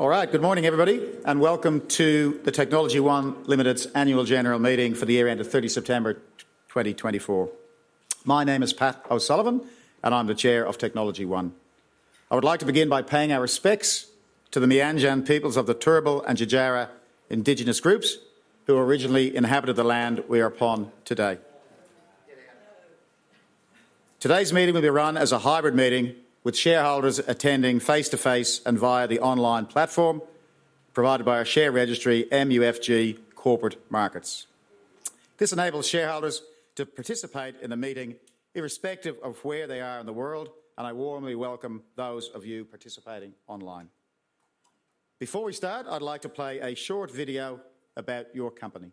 All right, good morning, everybody, and welcome to the TechnologyOne Limited's Annual General Meeting for the Year end 30th September 2024. My name is Pat O'Sullivan, and I'm the Chair of TechnologyOne. I would like to begin by paying our respects to the Meanjin peoples of the Turrbal and Yuggera Indigenous groups who originally inhabited the land we are upon today. Today's meeting will be run as a hybrid meeting with shareholders attending face-to-face and via the online platform provided by our share registry, MUFG Corporate Markets. This enables shareholders to participate in the meeting irrespective of where they are in the world, and I warmly welcome those of you participating online. Before we start, I'd like to play a short video about your company.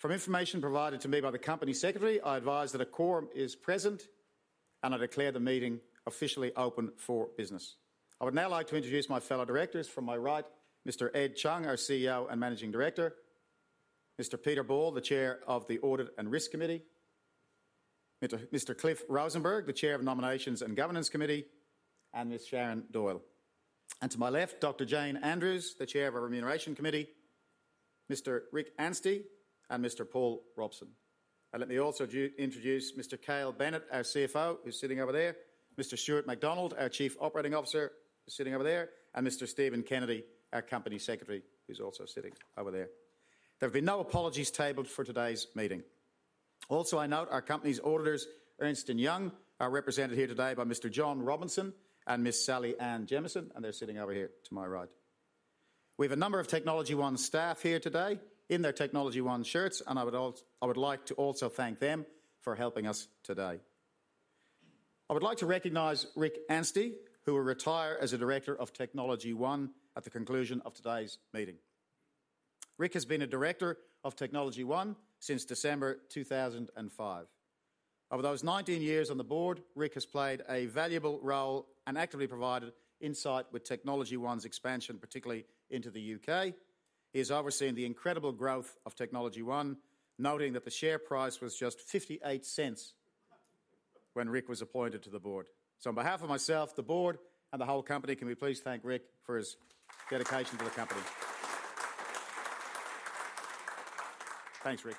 From information provided to me by the company secretary, I advise that a quorum is present, and I declare the meeting officially open for business. I would now like to introduce my fellow directors. From my right, Mr. Ed Chung, our CEO and Managing Director, Mr. Peter Ball, the Chair of the Audit and Risk Committee, Mr. Cliff Rosenberg, the Chair of the Nominations and Governance Committee, and Ms. Sharon Doyle, and to my left, Dr. Jane Andrews, the Chair of our remuneration Committee, Mr. Rick Anstey, and Mr. Paul Robson, and let me also introduce Mr. Cale Bennett, our CFO, who's sitting over there, Mr. Stuart McDonald, our Chief Operating Officer, who's sitting over there, and Mr. Stephen Kennedy, our Company Secretary, who's also sitting over there. There have been no apologies tabled for today's meeting. Also, I note our company's auditors, Ernst & Young, are represented here today by Mr. John Robinson and Ms. Sally-Anne Jamieson, and they're sitting over here to my right. We have a number of TechnologyOne staff here today in their TechnologyOne shirts, and I would like to also thank them for helping us today. I would like to recognize Rick Anstey, who will retire as a Director of TechnologyOne at the conclusion of today's meeting. Rick has been a Director of TechnologyOne since December 2005. Over those 19 years on the board, Rick has played a valuable role and actively provided insight with TechnologyOne's expansion, particularly into the UK. He has overseen the incredible growth of TechnologyOne, noting that the share price was just 0.58 when Rick was appointed to the board. So, on behalf of myself, the board, and the whole company, can we please thank Rick for his dedication to the company? Thanks, Rick.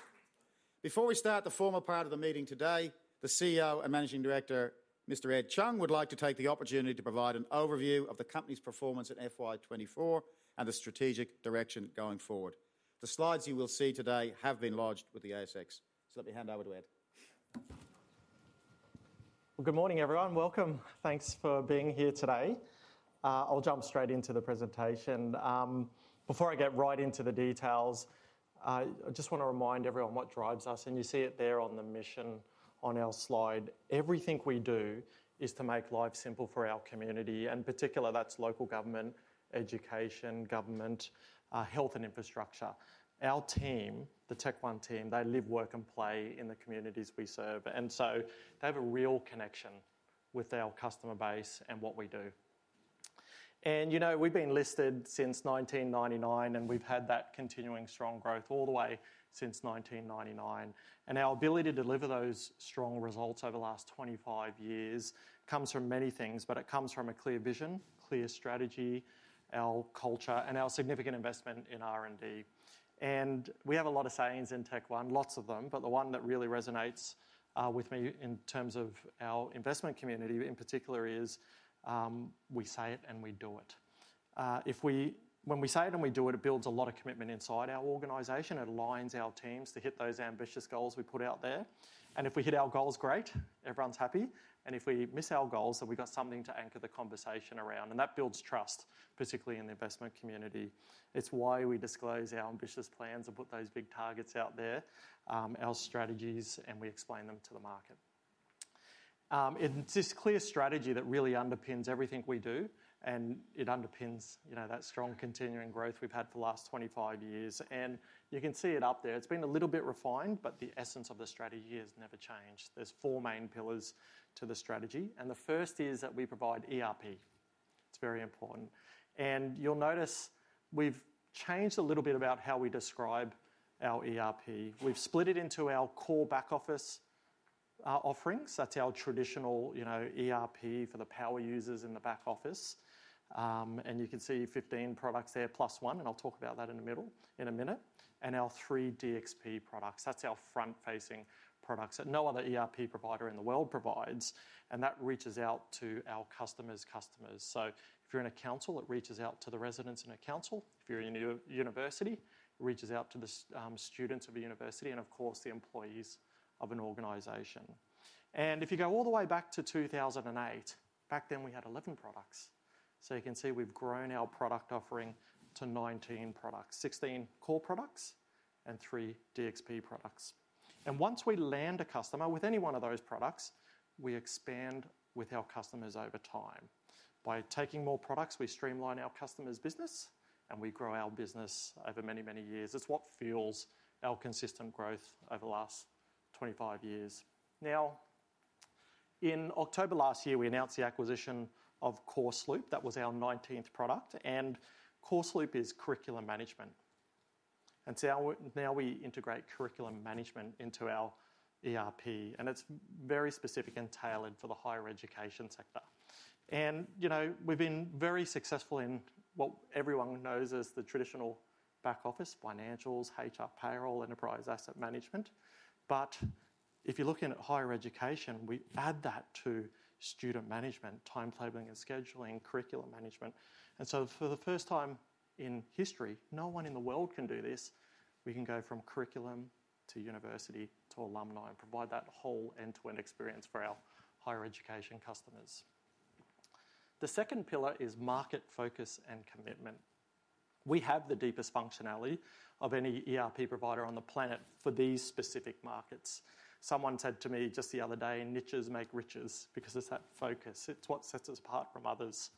Before we start the formal part of the meeting today, the CEO and Managing Director, Mr. Ed Chung, would like to take the opportunity to provide an overview of the company's performance in FY24 and the strategic direction going forward. The slides you will see today have been lodged with the ASX, so let me hand over to Ed. Good morning, everyone. Welcome. Thanks for being here today. I'll jump straight into the presentation. Before I get right into the details, I just want to remind everyone what drives us, and you see it there on the mission on our slide. Everything we do is to make life simple for our community, and in particular, that's local government, education, government, health, and infrastructure. Our team, the TechOne team, they live, work, and play in the communities we serve, and so they have a real connection with our customer base and what we do. You know, we've been listed since 1999, and we've had that continuing strong growth all the way since 1999. Our ability to deliver those strong results over the last 25 years comes from many things, but it comes from a clear vision, clear strategy, our culture, and our significant investment in R&D. We have a lot of sayings in TechOne, lots of them, but the one that really resonates with me in terms of our investment community in particular is, "We say it and we do it." When we say it and we do it, it builds a lot of commitment inside our organization. It aligns our teams to hit those ambitious goals we put out there. And if we hit our goals, great, everyone's happy. And if we miss our goals, then we've got something to anchor the conversation around, and that builds trust, particularly in the investment community. It's why we disclose our ambitious plans and put those big targets out there, our strategies, and we explain them to the market. It's this clear strategy that really underpins everything we do, and it underpins, you know, that strong continuing growth we've had for the last 25 years. You can see it up there. It's been a little bit refined, but the essence of the strategy has never changed. There's four main pillars to the strategy, and the first is that we provide ERP. It's very important. You'll notice we've changed a little bit about how we describe our ERP. We've split it into our core back office offerings. That's our traditional, you know, ERP for the power users in the back office. You can see 15 products there plus one, and I'll talk about that in the middle in a minute, and our three DXP products. That's our front-facing products that no other ERP provider in the world provides, and that reaches out to our customers' customers. So, if you're in a council, it reaches out to the residents in a council. If you're in a university, it reaches out to the students of a university, and of course, the employees of an organization, and if you go all the way back to 2008, back then we had 11 products. So, you can see we've grown our product offering to 19 products, 16 core products, and three DXP products, and once we land a customer with any one of those products, we expand with our customers over time. By taking more products, we streamline our customers' business, and we grow our business over many, many years. It's what fuels our consistent growth over the last 25 years. Now, in October last year, we announced the acquisition of CourseLoop. That was our 19th product, and CourseLoop is curriculum management. And so now we integrate curriculum management into our ERP, and it's very specific and tailored for the higher education sector. And, you know, we've been very successful in what everyone knows as the traditional back office: financials, HR, payroll, enterprise asset management. But if you're looking at higher education, we add that to student management, timetabling and scheduling, curriculum management. And so, for the first time in history, no one in the world can do this. We can go from curriculum to university to alumni and provide that whole end-to-end experience for our higher education customers. The second pillar is market focus and commitment. We have the deepest functionality of any ERP provider on the planet for these specific markets. Someone said to me just the other day, "Niches make riches," because it's that focus. It's what sets us apart from others.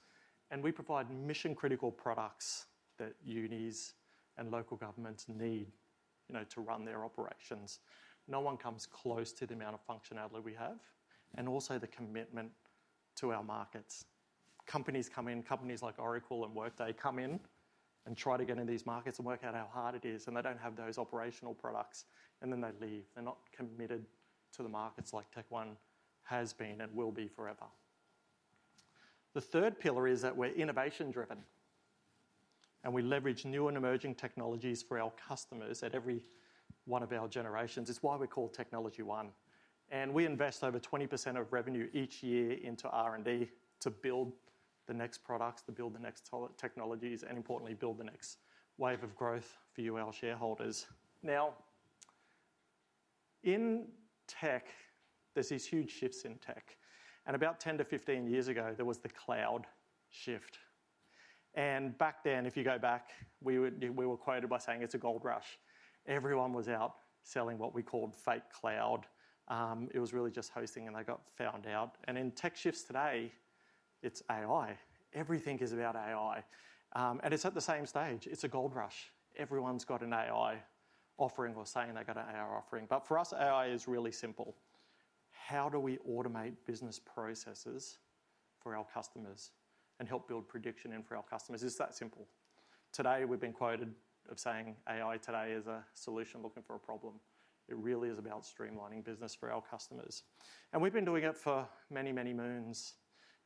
And we provide mission-critical products that unis and local governments need, you know, to run their operations. No one comes close to the amount of functionality we have and also the commitment to our markets. Companies come in, companies like Oracle and Workday come in and try to get in these markets and work out how hard it is, and they don't have those operational products, and then they leave. They're not committed to the markets like TechOne has been and will be forever. The third pillar is that we're innovation-driven, and we leverage new and emerging technologies for our customers at every one of our generations. It's why we're called TechnologyOne. And we invest over 20% of revenue each year into R&D to build the next products, to build the next technologies, and importantly, build the next wave of growth for you, our shareholders. Now, in tech, there's these huge shifts in tech. About 10-15 years ago, there was the cloud shift. Back then, if you go back, we were quoted by saying it's a gold rush. Everyone was out selling what we called fake cloud. It was really just hosting, and they got found out. In tech shifts today, it's AI. Everything is about AI. It's at the same stage. It's a gold rush. Everyone's got an AI offering or saying they've got an AI offering. But for us, AI is really simple. How do we automate business processes for our customers and help build prediction for our customers? It's that simple. Today, we've been quoted as saying AI today is a solution looking for a problem. It really is about streamlining business for our customers. We've been doing it for many, many moons.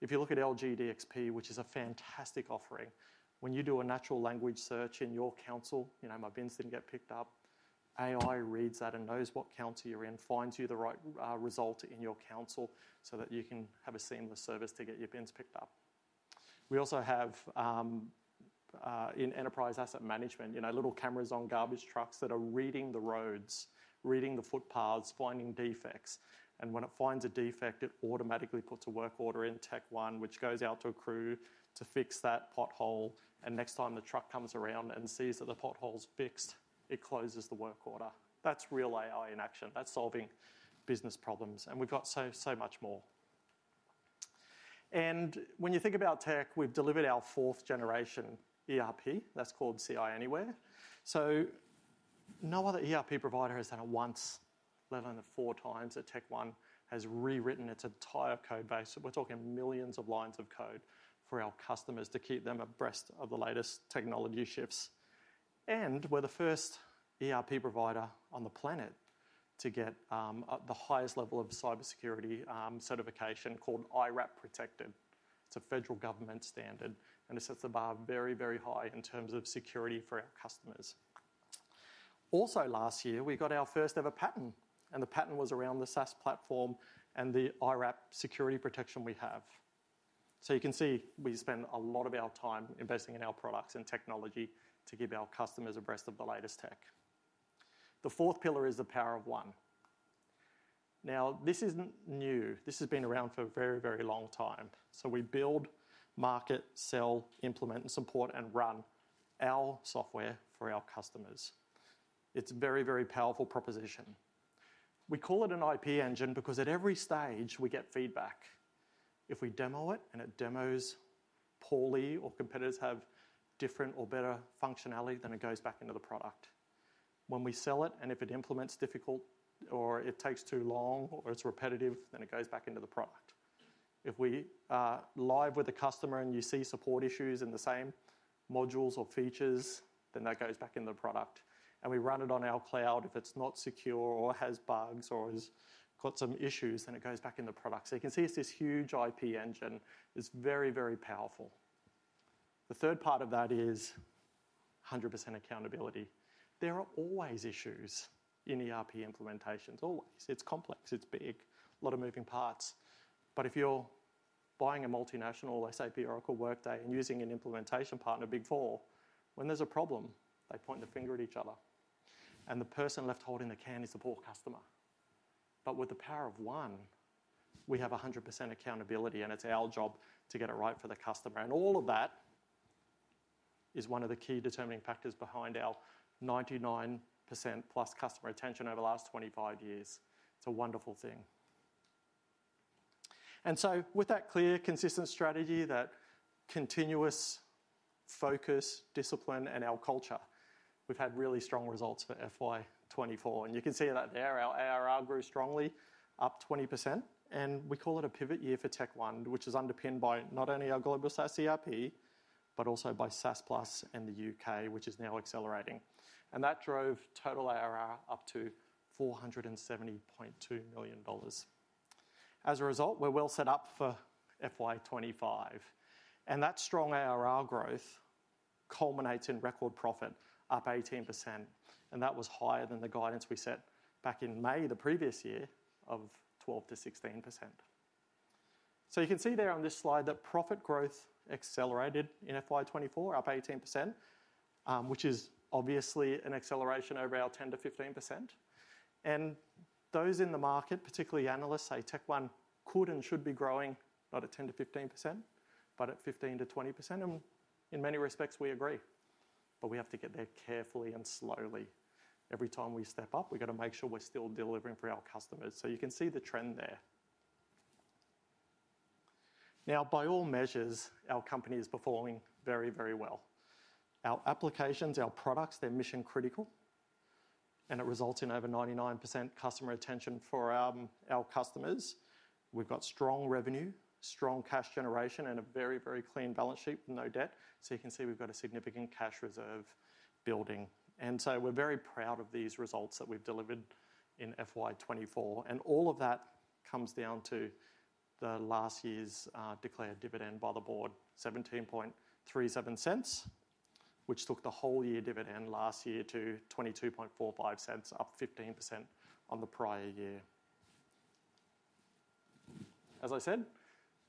If you look at LG DXP, which is a fantastic offering, when you do a natural language search in your council, you know, my bins didn't get picked up, AI reads that and knows what council you're in, finds you the right result in your council so that you can have a seamless service to get your bins picked up. We also have in enterprise asset management, you know, little cameras on garbage trucks that are reading the roads, reading the footpaths, finding defects, and when it finds a defect, it automatically puts a work order in TechOne, which goes out to a crew to fix that pothole. Next time the truck comes around and sees that the pothole's fixed, it closes the work order. That's real AI in action. That's solving business problems. We've got so, so much more. When you think about tech, we've delivered our fourth-generation ERP. That's called Ci Anywhere. So, no other ERP provider has had once, let alone four times, that TechOne has rewritten its entire code base. We're talking millions of lines of code for our customers to keep them abreast of the latest technology shifts. We're the first ERP provider on the planet to get the highest level of cybersecurity certification called IRAP Protected. It's a federal government standard, and it sets the bar very, very high in terms of security for our customers. Also, last year, we got our first-ever patent, and the patent was around the SaaS platform and the IRAP security protection we have. So, you can see we spend a lot of our time investing in our products and technology to keep our customers abreast of the latest tech. The fourth pillar is the power of one. Now, this isn't new. This has been around for a very, very long time, so we build, market, sell, implement, and support, and run our software for our customers. It's a very, very powerful proposition. We call it an IP Engine because at every stage, we get feedback. If we demo it and it demos poorly or competitors have different or better functionality, then it goes back into the product. When we sell it, and if it implements difficult or it takes too long or it's repetitive, then it goes back into the product. If we are live with a customer and you see support issues in the same modules or features, then that goes back into the product, and we run it on our cloud. If it's not secure or has bugs or has got some issues, then it goes back into the product. So, you can see it's this huge IP Engine. It's very, very powerful. The third part of that is 100% accountability. There are always issues in ERP implementations. Always. It's complex. It's big. A lot of moving parts. But if you're buying a multinational, SAP, Oracle, Workday, and using an implementation partner, Big Four, when there's a problem, they point the finger at each other. And the person left holding the can is the poor customer. But with the power of one, we have 100% accountability, and it's our job to get it right for the customer. And all of that is one of the key determining factors behind our 99% plus customer retention over the last 25 years. It's a wonderful thing. With that clear, consistent strategy, that continuous focus, discipline, and our culture, we've had really strong results for FY24. You can see that there. Our ARR grew strongly, up 20%. We call it a pivot year for, which is underpinned by not only our global SaaS ERP, but also by SaaS Plus and the UK, which is now accelerating. That drove total ARR up to 470.2 million dollars. As a result, we're well set up for FY25. That strong ARR growth culminates in record profit, up 18%. That was higher than the guidance we set back in May the previous year of 12%-16%. You can see there on this slide that profit growth accelerated in FY24, up 18%, which is obviously an acceleration over our 10%-15%. Those in the market, particularly analysts, say TechOne could and should be growing not at 10%-15%, but at 15%-20%. In many respects, we agree. We have to get there carefully and slowly. Every time we step up, we've got to make sure we're still delivering for our customers. You can see the trend there. By all measures, our company is performing very, very well. Our applications, our products, they're mission-critical, and it results in over 99% customer retention for our customers. We've got strong revenue, strong cash generation, and a very, very clean balance sheet with no debt. You can see we've got a significant cash reserve building. We're very proud of these results that we've delivered in FY24. All of that comes down to the last year's declared dividend by the board, 0.1737, which took the whole year dividend last year to 0.2245, up 15% on the prior year. As I said,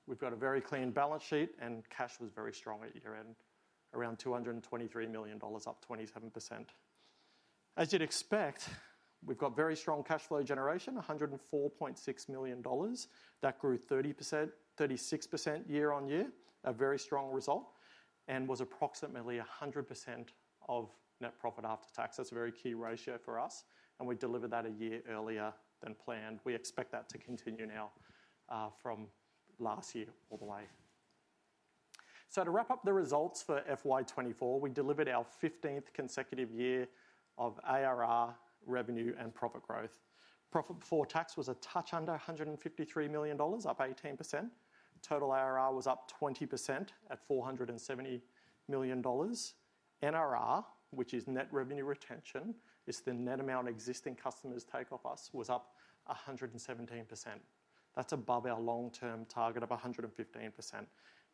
we've got a very clean balance sheet, and cash was very strong at year-end, around 223 million dollars, up 27%. As you'd expect, we've got very strong cash flow generation, 104.6 million dollars. That grew 30%, 36% year-on-year, a very strong result, and was approximately 100% of net profit after tax. That's a very key ratio for us, and we delivered that a year earlier than planned. We expect that to continue now from last year all the way. To wrap up the results for FY24, we delivered our 15th consecutive year of ARR revenue and profit growth. Profit before tax was a touch under 153 million dollars, up 18%. Total ARR was up 20% at 470 million dollars. NRR, which is net revenue retention, is the net amount existing customers take off us, was up 117%. That's above our long-term target of 115%,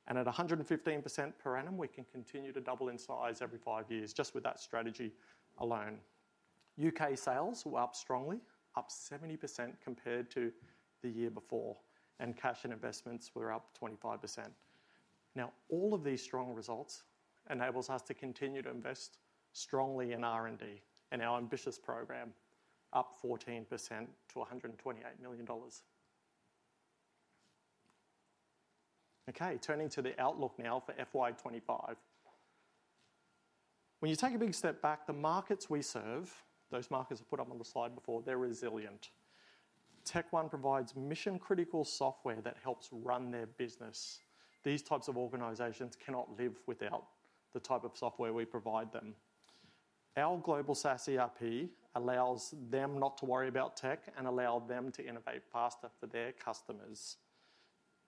and at 115% per annum, we can continue to double in size every five years just with that strategy alone. U.K. sales were up strongly, up 70% compared to the year before, and cash and investments were up 25%. Now, all of these strong results enable us to continue to invest strongly in R&D and our ambitious program, up 14% to 128 million dollars. Okay, turning to the outlook now for FY25. When you take a big step back, the markets we serve, those markets I put up on the slide before, they're resilient. TechOne provides mission-critical software that helps run their business. These types of organizations cannot live without the type of software we provide them. Our global SaaS ERP allows them not to worry about tech and allows them to innovate faster for their customers.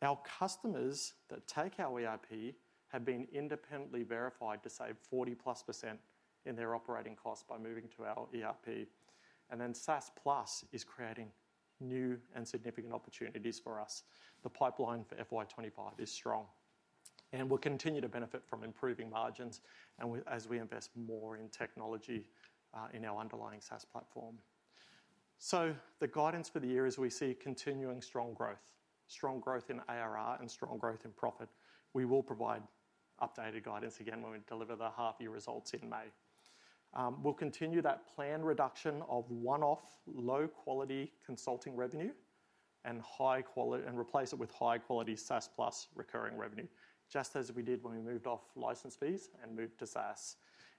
Our customers that take our ERP have been independently verified to save 40%+ in their operating costs by moving to our ERP. And then SaaS Plus is creating new and significant opportunities for us. The pipeline for FY25 is strong, and we'll continue to benefit from improving margins as we invest more in technology in our underlying SaaS platform. So, the guidance for the year is we see continuing strong growth, strong growth in ARR, and strong growth in profit. We will provide updated guidance again when we deliver the half-year results in May. We'll continue that planned reduction of one-off low-quality consulting revenue and high-quality and replace it with high-quality SaaS Plus recurring revenue, just as we did when we moved off license fees and moved to SaaS.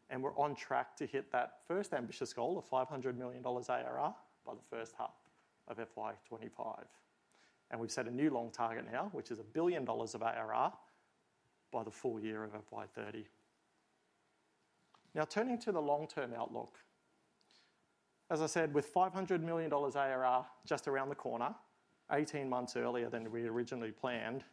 And we're on track to hit that first ambitious goal of 500 million dollars ARR by the first half of FY25. And we've set a new long target now, which is a billion dollars of ARR by the full year of FY30. Now, turning to the long-term outlook, as I said, with 500 million dollars ARR just around the corner, 18 months earlier than we originally planned,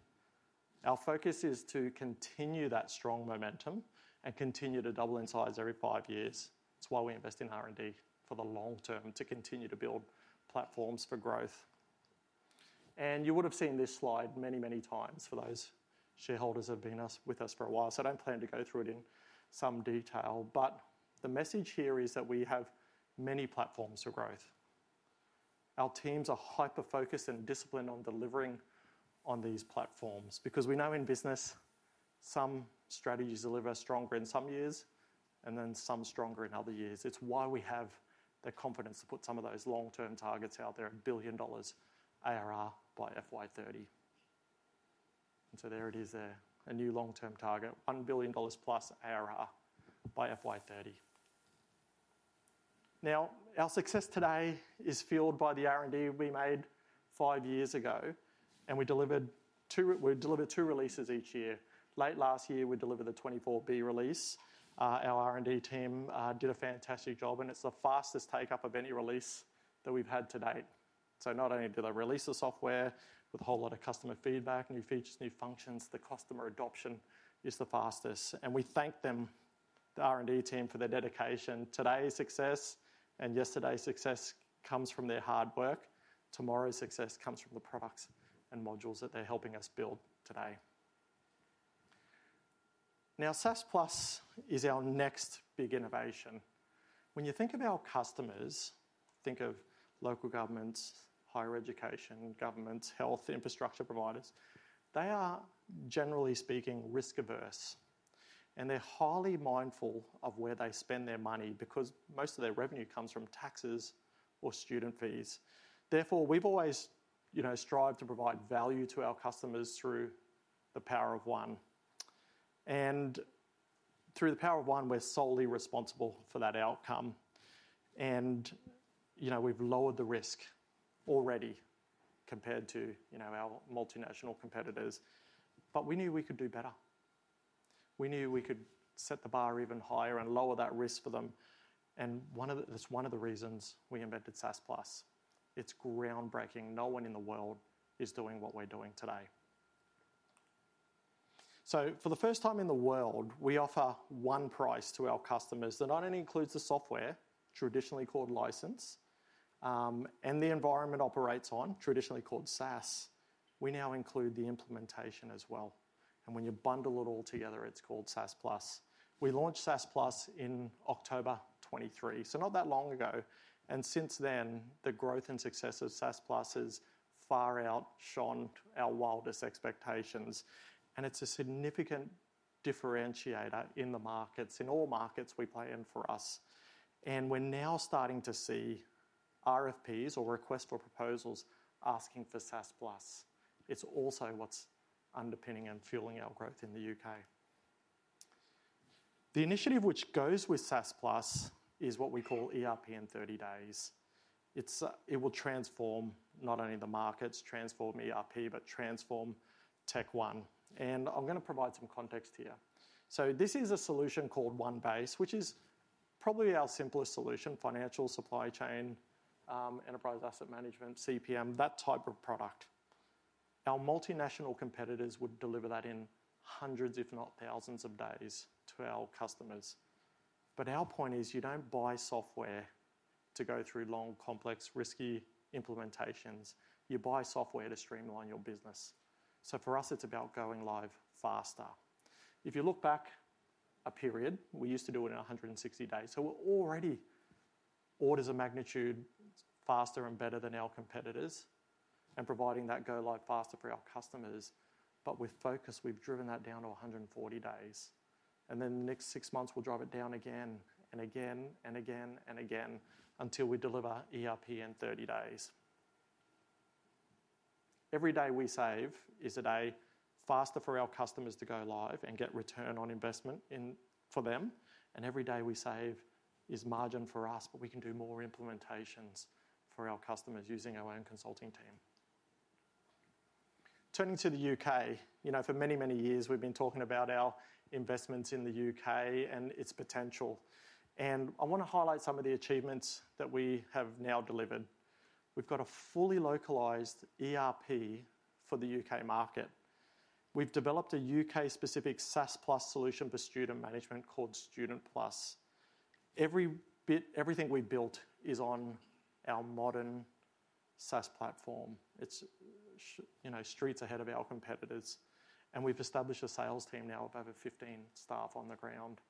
our focus is to continue that strong momentum and continue to double in size every five years. It's why we invest in R&D for the long term to continue to build platforms for growth. You would have seen this slide many, many times for those shareholders who have been with us for a while. So, I don't plan to go through it in some detail, but the message here is that we have many platforms for growth. Our teams are hyper-focused and disciplined on delivering on these platforms because we know in business some strategies deliver stronger in some years and then some stronger in other years. It's why we have the confidence to put some of those long-term targets out there, 1 billion dollars ARR by FY30. And so, there it is there, a new long-term target, 1 billion dollars plus ARR by FY30. Now, our success today is fueled by the R&D we made five years ago, and we delivered two releases each year. Late last year, we delivered the 24B release. Our R&D team did a fantastic job, and it's the fastest take-up of any release that we've had to date. So, not only did I release the software with a whole lot of customer feedback, new features, new functions, the customer adoption is the fastest. And we thank them, the R&D team, for their dedication. Today's success and yesterday's success comes from their hard work. Tomorrow's success comes from the products and modules that they're helping us build today. Now, SaaS Plus is our next big innovation. When you think of our customers, think of local governments, higher education governments, health infrastructure providers. They are, generally speaking, risk-averse, and they're highly mindful of where they spend their money because most of their revenue comes from taxes or student fees. Therefore, we've always strived to provide value to our customers through the power of one. Through the power of one, we're solely responsible for that outcome. We've lowered the risk already compared to our multinational competitors, but we knew we could do better. We knew we could set the bar even higher and lower that risk for them. That's one of the reasons we invented SaaS Plus. It's groundbreaking. No one in the world is doing what we're doing today. For the first time in the world, we offer one price to our customers that not only includes the software, traditionally called license, and the environment operates on, traditionally called SaaS. We now include the implementation as well. When you bundle it all together, it's called SaaS Plus. We launched SaaS Plus in October 2023, so not that long ago. Since then, the growth and success of SaaS Plus has far outshone our wildest expectations. It's a significant differentiator in the markets, in all markets we play in for us. We're now starting to see RFPs or requests for proposals asking for SaaS Plus. It's also what's underpinning and fueling our growth in the UK. The initiative which goes with SaaS Plus is what we call ERP in 30 Days. It will transform not only the markets, transform ERP, but transform TechOne. I'm going to provide some context here. This is a solution called OneBase, which is probably our simplest solution, financial supply chain, enterprise asset management, CPM, that type of product. Our multinational competitors would deliver that in hundreds, if not thousands of days to our customers. Our point is you don't buy software to go through long, complex, risky implementations. You buy software to streamline your business. For us, it's about going live faster. If you look back a period, we used to do it in 160 days, so we're already orders of magnitude faster and better than our competitors and providing that go-live faster for our customers, but with focus, we've driven that down to 140 days, and then the next six months, we'll drive it down again and again and again and again until we deliver ERP in 30 Days. Every day we save is a day faster for our customers to go live and get return on investment for them, and every day we save is margin for us, but we can do more implementations for our customers using our own consulting team. Turning to the UK, for many, many years, we've been talking about our investments in the UK and its potential, and I want to highlight some of the achievements that we have now delivered. We've got a fully localized ERP for the U.K. market. We've developed a U.K.-specific SaaS Plus solution for student management called Student Plus. Everything we built is on our modern SaaS platform. It's streets ahead of our competitors. And we've established a sales team now of over 15 staff on the ground.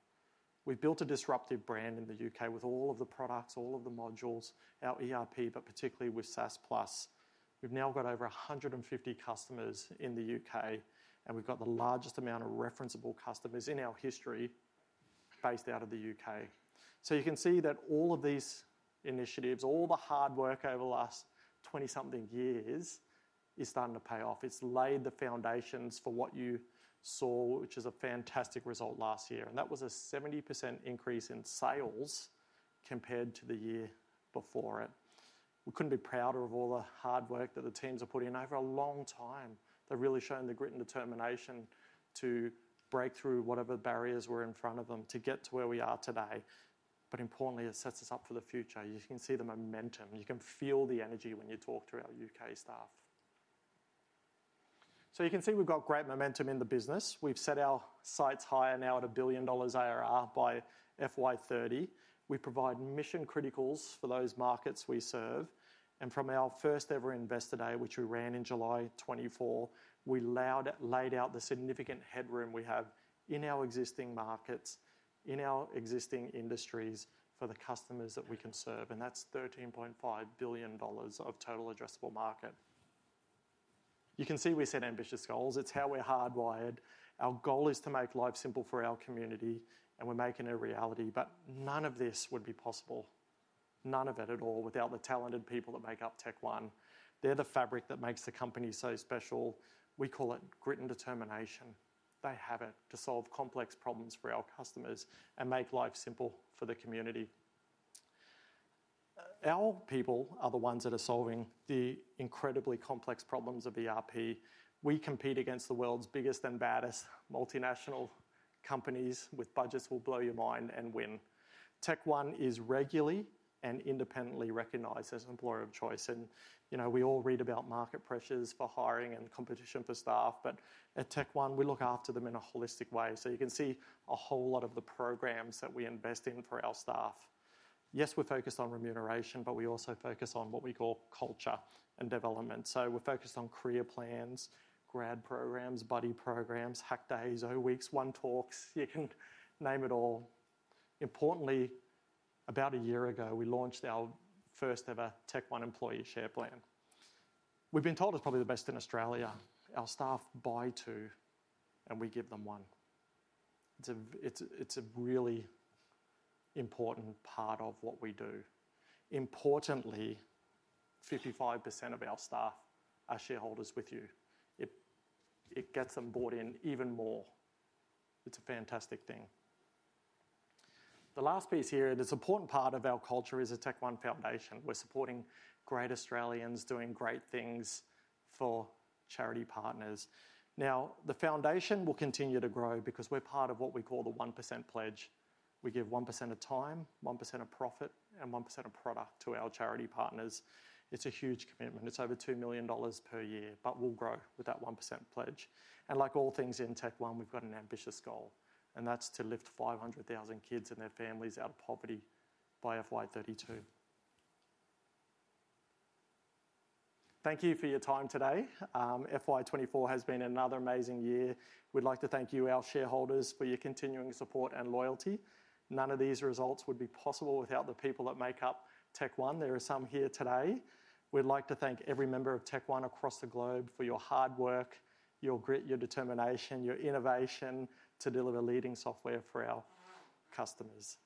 We've built a disruptive brand in the U.K. with all of the products, all of the modules, our ERP, but particularly with SaaS Plus. We've now got over 150 customers in the U.K., and we've got the largest amount of referenceable customers in our history based out of the U.K. So, you can see that all of these initiatives, all the hard work over the last 20-something years is starting to pay off. It's laid the foundations for what you saw, which is a fantastic result last year. That was a 70% increase in sales compared to the year before it. We couldn't be prouder of all the hard work that the teams are putting in. Over a long time, they've really shown the grit and determination to break through whatever barriers were in front of them to get to where we are today. Importantly, it sets us up for the future. You can see the momentum. You can feel the energy when you talk to our UK staff. You can see we've got great momentum in the business. We've set our sights higher now at 1 billion dollars ARR by FY30. We provide mission-criticals for those markets we serve. From our first-ever investor day, which we ran in July 2024, we laid out the significant headroom we have in our existing markets, in our existing industries for the customers that we can serve. That's 13.5 billion dollars of total addressable market. You can see we set ambitious goals. It's how we're hardwired. Our goal is to make life simple for our community, and we're making it a reality. But none of this would be possible, none of it at all, without the talented people that make up TechOne. They're the fabric that makes the company so special. We call it grit and determination. They have it to solve complex problems for our customers and make life simple for the community. Our people are the ones that are solving the incredibly complex problems of ERP. We compete against the world's biggest and baddest multinational companies with budgets that will blow your mind and win. TechOne is regularly and independently recognized as an employer of choice. We all read about market pressures for hiring and competition for staff, but at TechOne, we look after them in a holistic way. So, you can see a whole lot of the programs that we invest in for our staff. Yes, we're focused on Remuneration, but we also focus on what we call culture and development. So, we're focused on career plans, grad programs, buddy programs, Hack Days, O-Weeks, OneTalks. You can name it all. Importantly, about a year ago, we launched our first-ever TechOne employee share plan. We've been told it's probably the best in Australia. Our staff buy two, and we give them one. It's a really important part of what we do. Importantly, 55% of our staff are shareholders with you. It gets them bought in even more. It's a fantastic thing. The last piece here, the support part of our culture is a TechnologyOne Foundation. We're supporting great Australians doing great things for charity partners. Now, the foundation will continue to grow because we're part of what we call the 1% pledge. We give 1% of time, 1% of profit, and 1% of product to our charity partners. It's a huge commitment. It's over 2 million dollars per year, but we'll grow with that 1% pledge. And like all things in TechOne, we've got an ambitious goal, and that's to lift 500,000 kids and their families out of poverty by FY32. Thank you for your time today. FY24 has been another amazing year. We'd like to thank you, our shareholders, for your continuing support and loyalty. None of these results would be possible without the people that make up TechOne. There are some here today. We'd like to thank every member of TechOne across the globe for your hard work, your grit, your determination, your innovation to deliver leading software for our customers.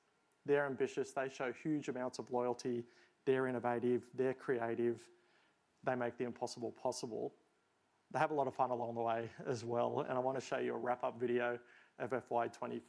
They're ambitious. They show huge amounts of loyalty. They're innovative. They're creative. They make the impossible possible. They have a lot of fun along the way as well. And I want to show you a wrap-up video of FY24.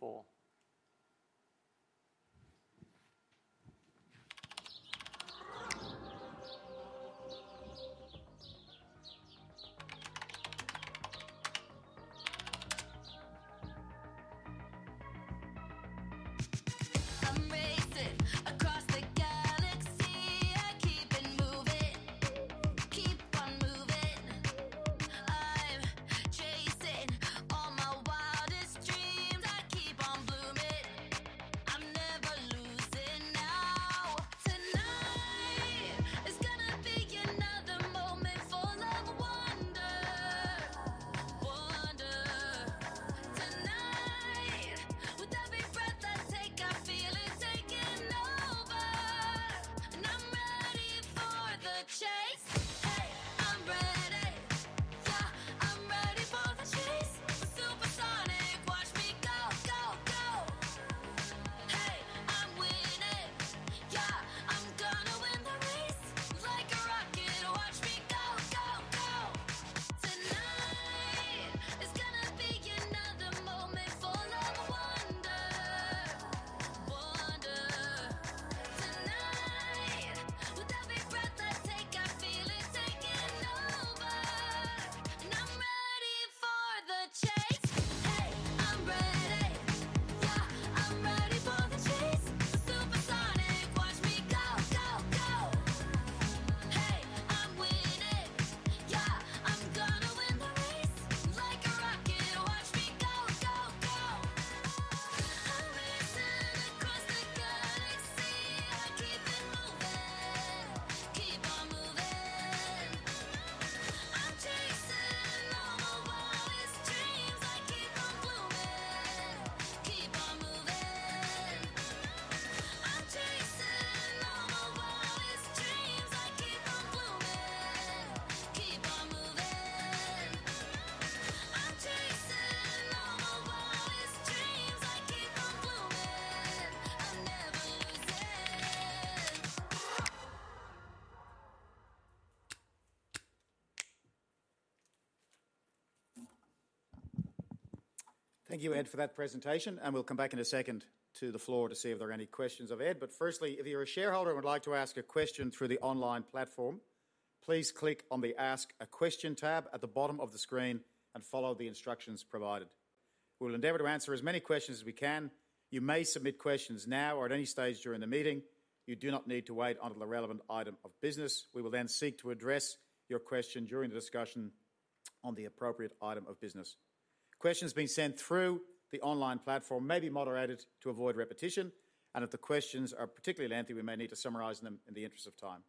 Questions being sent through the online platform may be moderated to avoid repetition. If the questions are particularly lengthy, we may need to summarize them in the interest of time.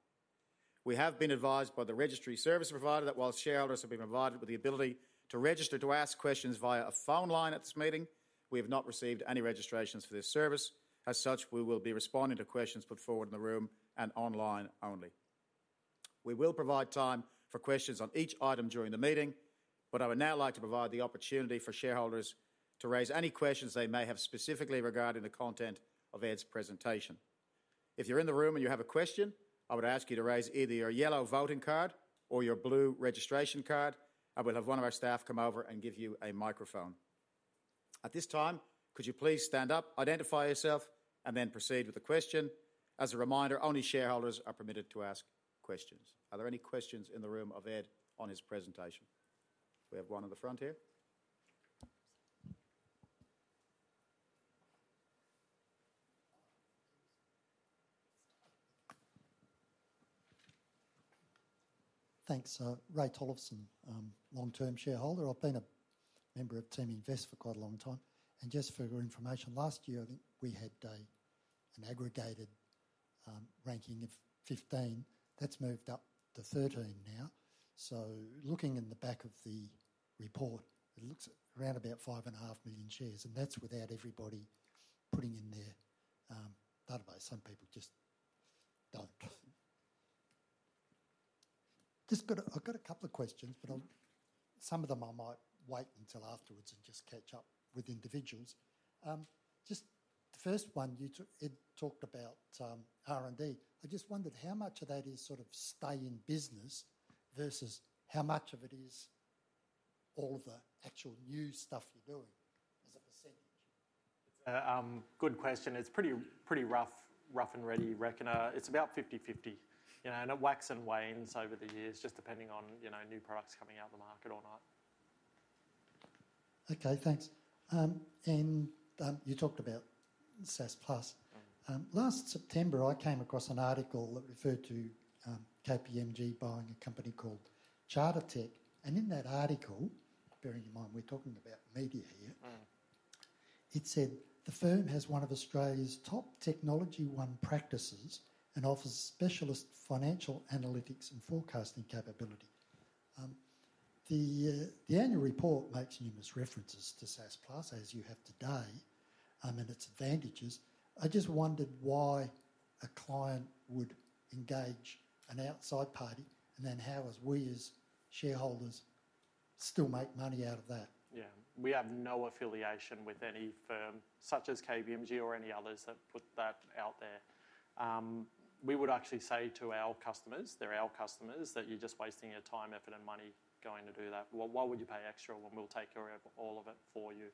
We have been advised by the registry service provider that while shareholders have been provided with the ability to register to ask questions via a phone line at this meeting, we have not received any registrations for this service. As such, we will be responding to questions put forward in the room and online only. We will provide time for questions on each item during the meeting, but I would now like to provide the opportunity for shareholders to raise any questions they may have specifically regarding the content of Ed's presentation. If you're in the room and you have a question, I would ask you to raise either your yellow voting card or your blue registration card. And we'll have one of our staff come over and give you a microphone. At this time, could you please stand up, identify yourself, and then proceed with the question? As a reminder, only shareholders are permitted to ask questions. Are there any questions in the room of Ed on his presentation? We have one at the front here. Thanks. Ray Tolleson, long-term shareholder. I've been a member of Teaminvest for quite a long time. And just for your information, last year, we had an aggregated ranking of 15. That's moved up to 13 now. So looking in the back of the report, it looks around about 5.5 million shares. And that's without everybody putting in their database. Some people just don't. I've got a couple of questions, but some of them I might wait until afterwards and just catch up with individuals. Just the first one, you talked about R&D. I just wondered how much of that is sort of stay in business versus how much of it is all of the actual new stuff you're doing as a percentage? It's a goo`d question. It's pretty rough and ready, Ray. It's about 50/50. And it wax and wane over the years, just depending on new products coming out of the market or not. Okay, thanks. And you talked about SaaS Plus. Last September, I came across an article that referred to KPMG buying a company called Chartertech. And in that article, bearing in mind we're talking about media here, it said the firm has one of Australia's top TechnologyOne practices and offers specialist financial analytics and forecasting capability. The Annual Report makes numerous references to SaaS Plus, as you have today, and its advantages. I just wondered why a client would engage an outside party and then how we as shareholders still make money out of that. Yeah, we have no affiliation with any firm such as KPMG or any others that put that out there. We would actually say to our customers, they're our customers, that you're just wasting your time, effort, and money going to do that. Why would you pay extra when we'll take care of all of it for you?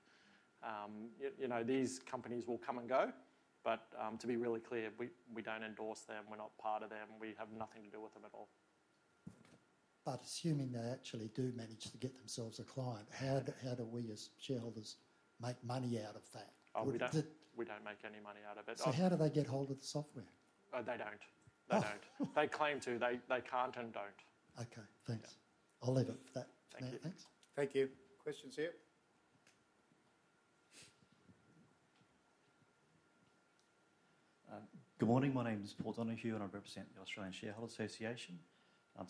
These companies will come and go, but to be really clear, we don't endorse them. We're not part of them. We have nothing to do with them at all. But assuming they actually do manage to get themselves a client, how do we as shareholders make money out of that? We don't make any money out of it. So how do they get hold of the software? They don't. They don't. They claim to. They can't and don't. Okay, thanks. I'll leave it for that. Thank you. Thank you. Questions here? Good morning. My name is Paul Donohue, and I represent the Australian Shareholders' Association.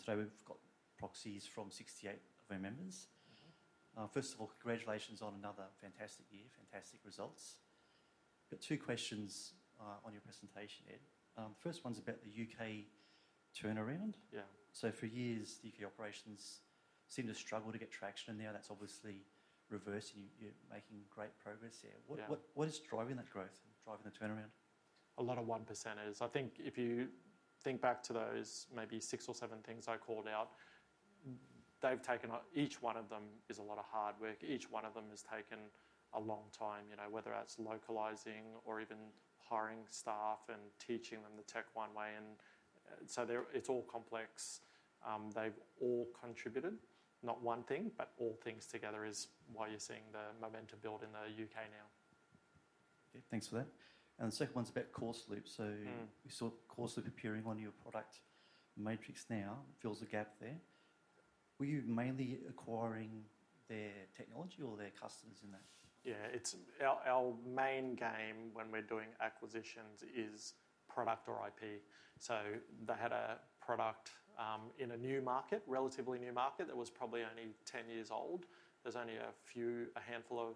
Today, we've got proxies from 68 of our members. First of all, congratulations on another fantastic year, fantastic results. We've got two questions on your presentation, Ed. The first one's about the UK turnaround. So, for years, the UK operations seem to struggle to get traction in there. That's obviously reversed. And you're making great progress there. What is driving that growth and driving the turnaround? A lot of 1%ers. I think if you think back to those maybe six or seven things I called out, each one of them is a lot of hard work. Each one of them has taken a long time, whether that's localizing or even hiring staff and teaching them the TechOne way. And so it's all complex. They've all contributed. Not one thing, but all things together is why you're seeing the momentum build in the UK now. Thanks for that. And the second one's about CourseLoop. So we saw CourseLoop appearing on your product matrix now. It fills a gap there. Were you mainly acquiring their technology or their customers in that? Yeah, our main game when we're doing acquisitions is product or IP. So they had a product in a new market, relatively new market that was probably only 10 years old. There's only a handful of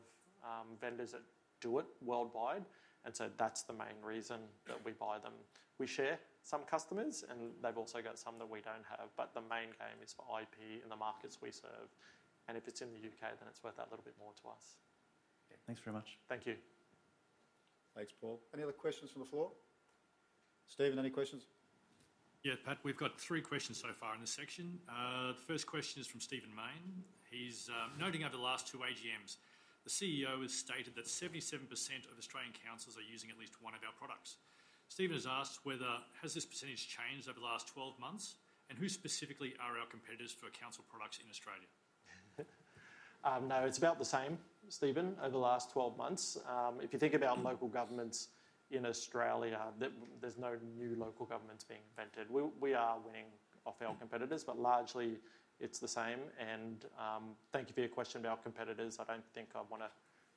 vendors that do it worldwide. And so that's the main reason that we buy them. We share some customers, and they've also got some that we don't have. But the main game is for IP in the markets we serve. And if it's in the UK, then it's worth that little bit more to us. Thanks very much. Thank you. Thanks, Paul. Any other questions from the floor? Stephen, any questions? Yeah, Pat, we've got three questions so far in this section. The first question is from Stephen Mayne. He's noting over the last two AGMs, the CEO has stated that 77% of Australian councils are using at least one of our products. Stephen has asked whether has this percentage changed over the last 12 months? And who specifically are our competitors for council products in Australia? No, it's about the same, Stephen, over the last 12 months. If you think about local governments in Australia, there's no new local governments being invented. We are winning off our competitors, but largely it's the same. Thank you for your question about competitors. I don't think I want to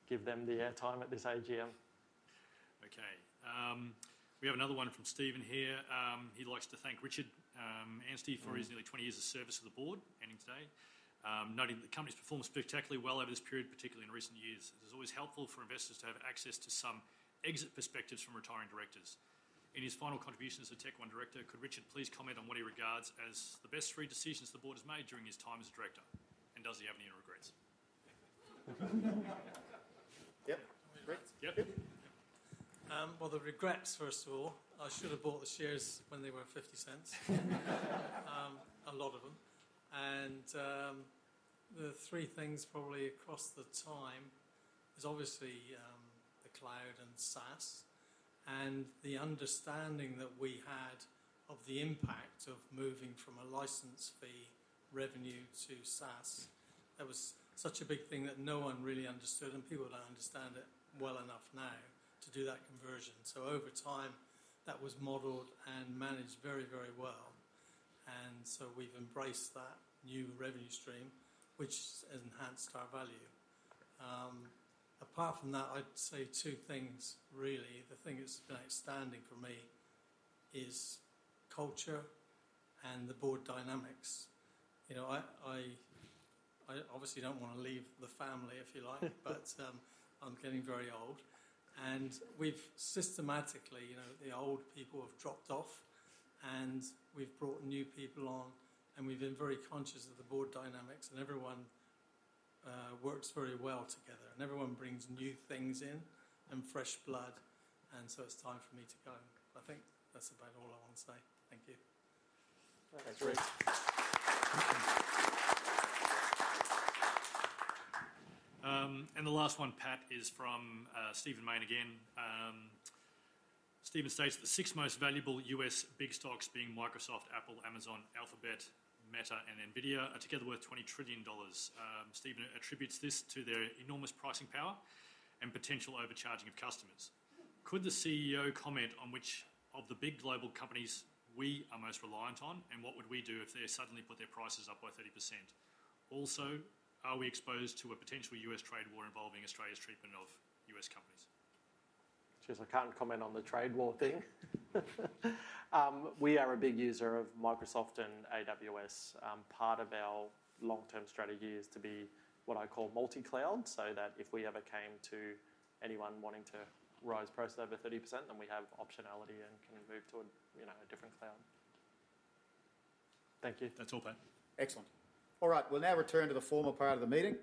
give them the airtime at this AGM. Okay. We have another one from Stephen here. He likes to thank Richard Anstey for his nearly 20 years of service to the board, ending today, noting that the company has performed spectacularly well over this period, particularly in recent years. It is always helpful for investors to have access to some exit perspectives from retiring directors. In his final contributions as a TechOne Director, could Richard please comment on what he regards as the best three decisions the board has made during his time as a director? And does he have any regrets? Yep. Great. Yep. Well, the regrets, first of all, I should have bought the shares when they were 0.50, a lot of them. The three things probably across the time is obviously the cloud and SaaS and the understanding that we had of the impact of moving from a license fee revenue to SaaS. That was such a big thing that no one really understood, and people don't understand it well enough now to do that conversion. So over time, that was modeled and managed very, very well. And so we've embraced that new revenue stream, which has enhanced our value. Apart from that, I'd say two things, really. The thing that's been outstanding for me is culture and the board dynamics. I obviously don't want to leave the family, if you like, but I'm getting very old. And we've systematically, the old people have dropped off, and we've brought new people on. And we've been very conscious of the board dynamics, and everyone works very well together. And everyone brings new things in and fresh blood. And so it's time for me to go. I think that's about all I want to say. Thank you. Thanks, Rick. And the last one, Pat, is from Stephen Mayne again. Stephen states that the six most valuable U.S. big stocks being Microsoft, Apple, Amazon, Alphabet, Meta, and NVIDIA are together worth $20 trillion. Stephen attributes this to their enormous pricing power and potential overcharging of customers. Could the CEO comment on which of the big global companies we are most reliant on, and what would we do if they suddenly put their prices up by 30%? Also, are we exposed to a potential U.S. trade war involving Australia's treatment of US companies? Just, I can't comment on the trade war thing. We are a big user of Microsoft and AWS. Part of our long-term strategy is to be what I call multi-cloud, so that if we ever came to anyone wanting to raise price over 30%, then we have optionality and can move to a different cloud. Thank you. That's all, Pat. Excellent. All right. We'll now return to the formal part of the meeting.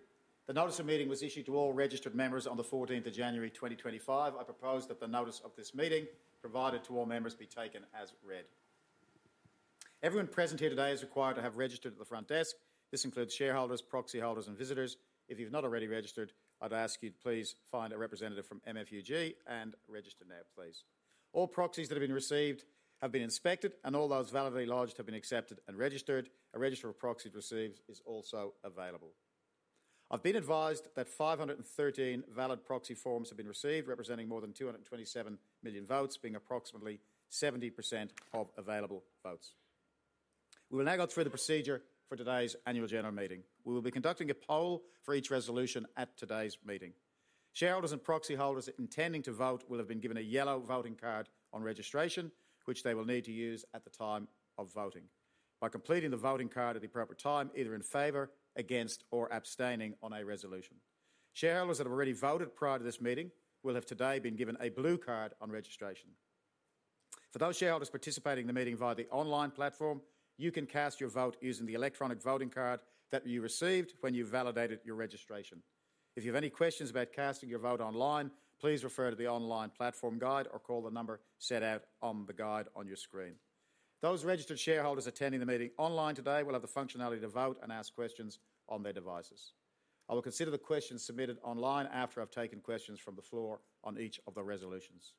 The Notice of Meeting was issued to all registered members on the 14th of January, 2025. I propose that the notice of this meeting provided to all members be taken as read. Everyone present here today is required to have registered at the front desk. This includes shareholders, proxy holders, and visitors. If you've not already registered, I'd ask you to please find a representative from MUFG and register now, please. All proxies that have been received have been inspected, and all those validly lodged have been accepted and registered. A register of proxies received is also available. I've been advised that 513 valid proxy forms have been received, representing more than 227 million votes, being approximately 70% of available votes. We will now go through the procedure for today's annual general meeting. We will be conducting a poll for each resolution at today's meeting. Shareholders and proxy holders intending to vote will have been given a yellow voting card on registration, which they will need to use at the time of voting. By completing the voting card at the appropriate time, either in favor, against, or abstaining on a resolution, shareholders that have already voted prior to this meeting will have today been given a blue card on registration. For those shareholders participating in the meeting via the online platform, you can cast your vote using the electronic voting card that you received when you validated your registration. If you have any questions about casting your vote online, please refer to the online platform guide or call the number set out on the guide on your screen. Those registered shareholders attending the meeting online today will have the functionality to vote and ask questions on their devices. I will consider the questions submitted online after I've taken questions from the floor on each of the resolutions.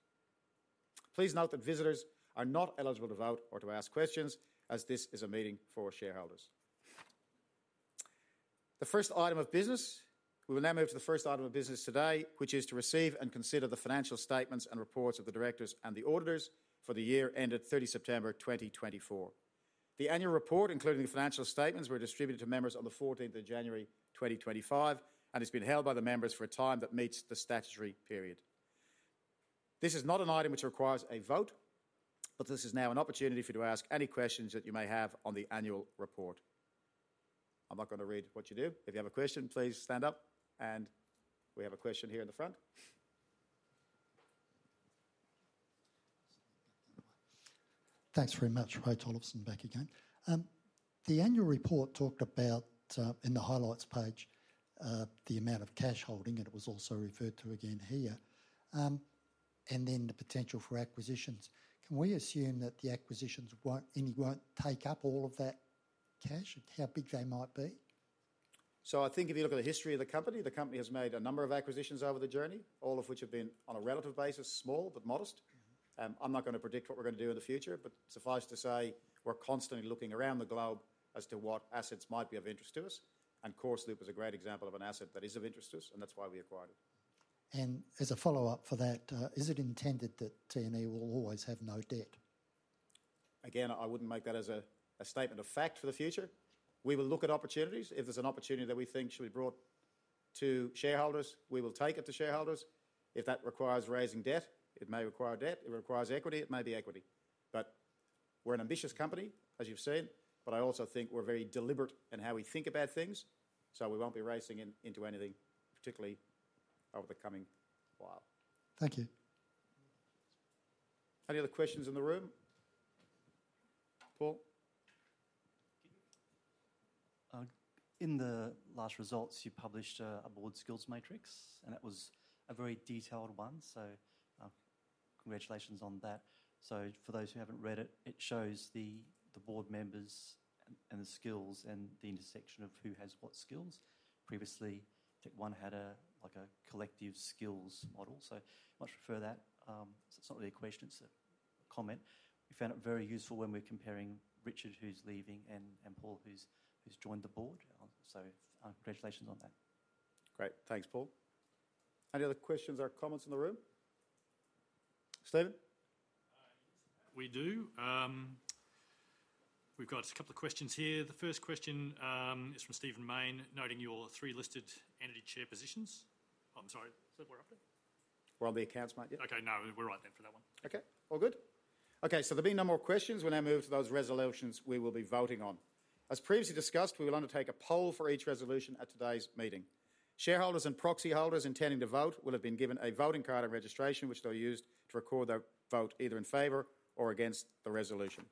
Please note that visitors are not eligible to vote or to ask questions, as this is a meeting for shareholders. We will now move to the first item of business today, which is to receive and consider the financial statements and reports of the directors and the auditors for the year ended 30th of September 2024. The annual report, including the financial statements, were distributed to members on the 14th of January, 2025, and it's been held by the members for a time that meets the statutory period. This is not an item which requires a vote, but this is now an opportunity for you to ask any questions that you may have on the annual report. I'm not going to read what you do. If you have a question, please stand up. And we have a question here in the front. Thanks very much, Ray Tolleson, back again. The annual report talked about, in the highlights page, the amount of cash holding, and it was also referred to again here, and then the potential for acquisitions. Can we assume that the acquisitions won't take up all of that cash and how big they might be? I think if you look at the history of the company, the company has made a number of acquisitions over the journey, all of which have been on a relative basis, small but modest. I'm not going to predict what we're going to do in the future, but suffice to say, we're constantly looking around the globe as to what assets might be of interest to us. And CourseLoop is a great example of an asset that is of interest to us, and that's why we acquired it. And as a follow-up for that, is it intended that TNE will always have no debt? Again, I wouldn't make that as a statement of fact for the future. We will look at opportunities. If there's an opportunity that we think should be brought to shareholders, we will take it to shareholders. If that requires raising debt, it may require debt. If it requires equity, it may be equity. But we're an ambitious company, as you've seen, but I also think we're very deliberate in how we think about things, so we won't be racing into anything particularly over the coming while. Thank you. Any other questions in the room? Paul? In the last results, you published a board skills matrix, and it was a very detailed one. So congratulations on that. So for those who haven't read it, it shows the board members and the skills and the intersection of who has what skills. Previously, TechOne had a collective skills model. So much for that. It's not really a question. It's a comment. We found it very useful when we're comparing Richard, who's leaving, and Paul, who's joined the board. So congratulations on that. Great. Thanks, Paul. Any other questions or comments in the room? Stephen? We do. We've got a couple of questions here. The first question is from Stephen Mayne, noting your three listed entity chair positions. I'm sorry. Is that what I've done? Well the accounts might do it. Okay. No, we're right then for that one. Okay. All good. Okay. So there being no more questions, we'll now move to those resolutions we will be voting on. As previously discussed, we will undertake a poll for each resolution at today's meeting. Shareholders and proxy holders intending to vote will have been given a voting card and registration, which they'll use to record their vote either in favor or against the resolution.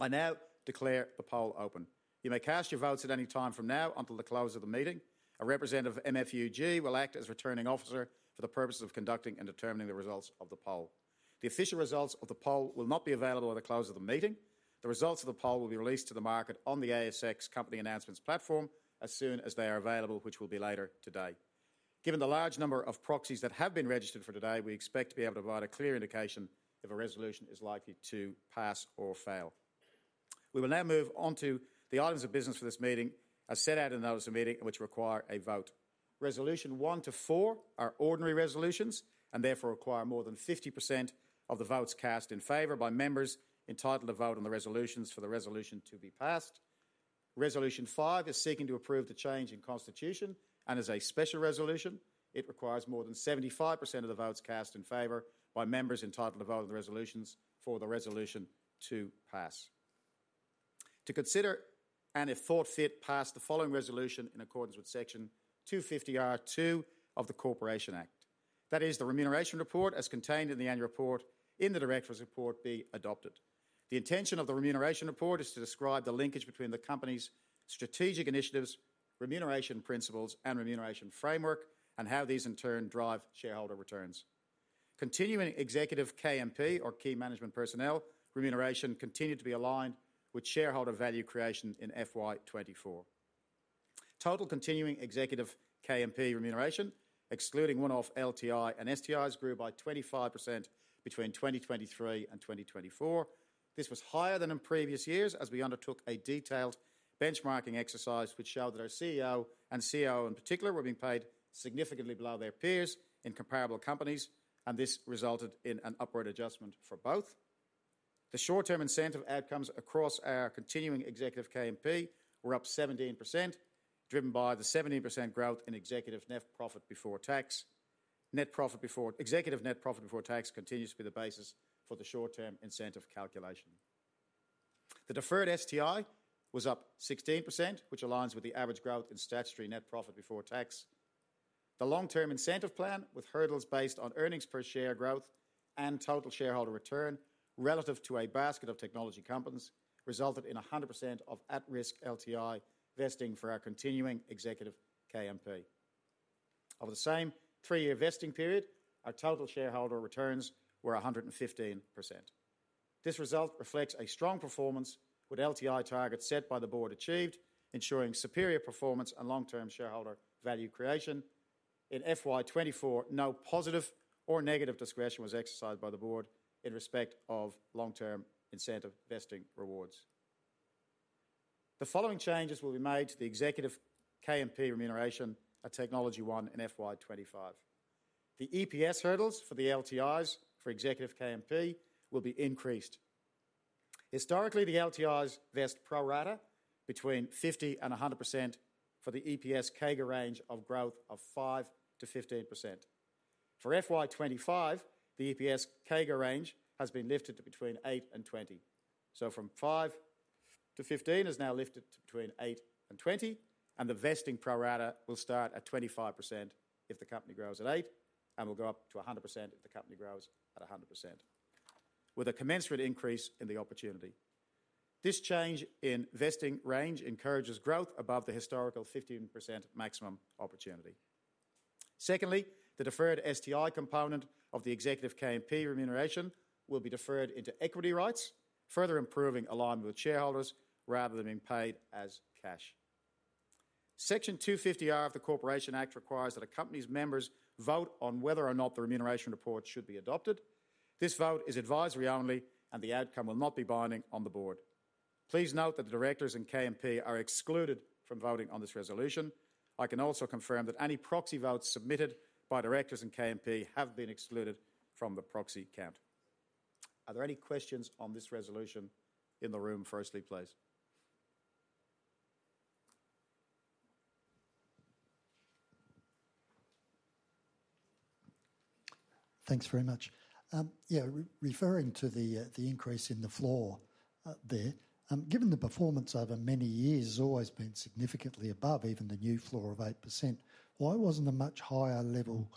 I now declare the poll open. You may cast your votes at any time from now until the close of the meeting. A representative of MUFG will act as returning officer for the purpose of conducting and determining the results of the poll. The official results of the poll will not be available at the close of the meeting. The results of the poll will be released to the market on the ASX Company Announcements Platform as soon as they are available, which will be later today. Given the large number of proxies that have been registered for today, we expect to be able to provide a clear indication if a resolution is likely to pass or fail. We will now move on to the items of business for this meeting as set out in the Notice of Meeting, which require a vote. Resolutions 1 to 4 are ordinary resolutions and therefore require more than 50% of the votes cast in favor by members entitled to vote on the resolutions for the resolution to be passed. Resolution 5 is seeking to approve the change in constitution and is a special resolution. It requires more than 75% of the votes cast in favor by members entitled to vote on the resolutions for the resolution to pass. To consider and, if thought fit, pass the following resolution in accordance with Section 250R(2) of the Corporations Act. That is, the Remuneration Report as contained in the annual report in the Directors' Report be adopted. The intention of the Remuneration Report is to describe the linkage between the company's strategic initiatives, Remuneration principles, and Remuneration framework, and how these, in turn, drive shareholder returns. Continuing executive KMP or key management personnel Remuneration continued to be aligned with shareholder value creation in FY24. Total continuing executive KMP Remuneration, excluding one-off LTI and STIs, grew by 25% between 2023 and 2024. This was higher than in previous years as we undertook a detailed benchmarking exercise, which showed that our CEO and COO in particular were being paid significantly below their peers in comparable companies, and this resulted in an upward adjustment for both. The short-term incentive outcomes across our continuing executive KMP were up 17%, driven by the 17% growth in executive net profit before tax. Executive net profit before tax continues to be the basis for the short-term incentive calculation. The deferred STI was up 16%, which aligns with the average growth in statutory net profit before tax. The long-term incentive plan, with hurdles based on earnings per share growth and total shareholder return relative to a basket of technology companies, resulted in 100% of at-risk LTI vesting for our continuing executive KMP. Over the same three-year vesting period, our total shareholder returns were 115%. This result reflects a strong performance, with LTI targets set by the board achieved, ensuring superior performance and long-term shareholder value creation. In FY24, no positive or negative discretion was exercised by the board in respect of long-term incentive vesting rewards. The following changes will be made to the executive KMP Remuneration at TechnologyOne in FY25. The EPS hurdles for the LTIs for executive KMP will be increased. Historically, the LTIs vest pro rata between 50% and 100% for the EPS CAGR range of growth of 5% to 15%. For FY25, the EPS CAGR range has been lifted to between 8%-20%. From 5%-15% is now lifted to between 8%-20%, and the vesting pro rata will start at 25% if the company grows at 8%, and will go up to 100% if the company grows at 100%, with a commensurate increase in the opportunity. This change in vesting range encourages growth above the historical 15% maximum opportunity. Secondly, the deferred STI component of the executive KMP remuneration will be deferred into equity rights, further improving alignment with shareholders rather than being paid as cash. Section 250R of the Corporations Act requires that a company's members vote on whether or not the remuneration report should be adopted. This vote is advisory only, and the outcome will not be binding on the board. Please note that the directors and KMP are excluded from voting on this resolution. I can also confirm that any proxy votes submitted by directors and KMP have been excluded from the proxy count. Are there any questions on this resolution in the room? Firstly, please. Thanks very much. Yeah, referring to the increase in the floor there, given the performance over many years, it's always been significantly above even the new floor of 8%. Why wasn't a much higher level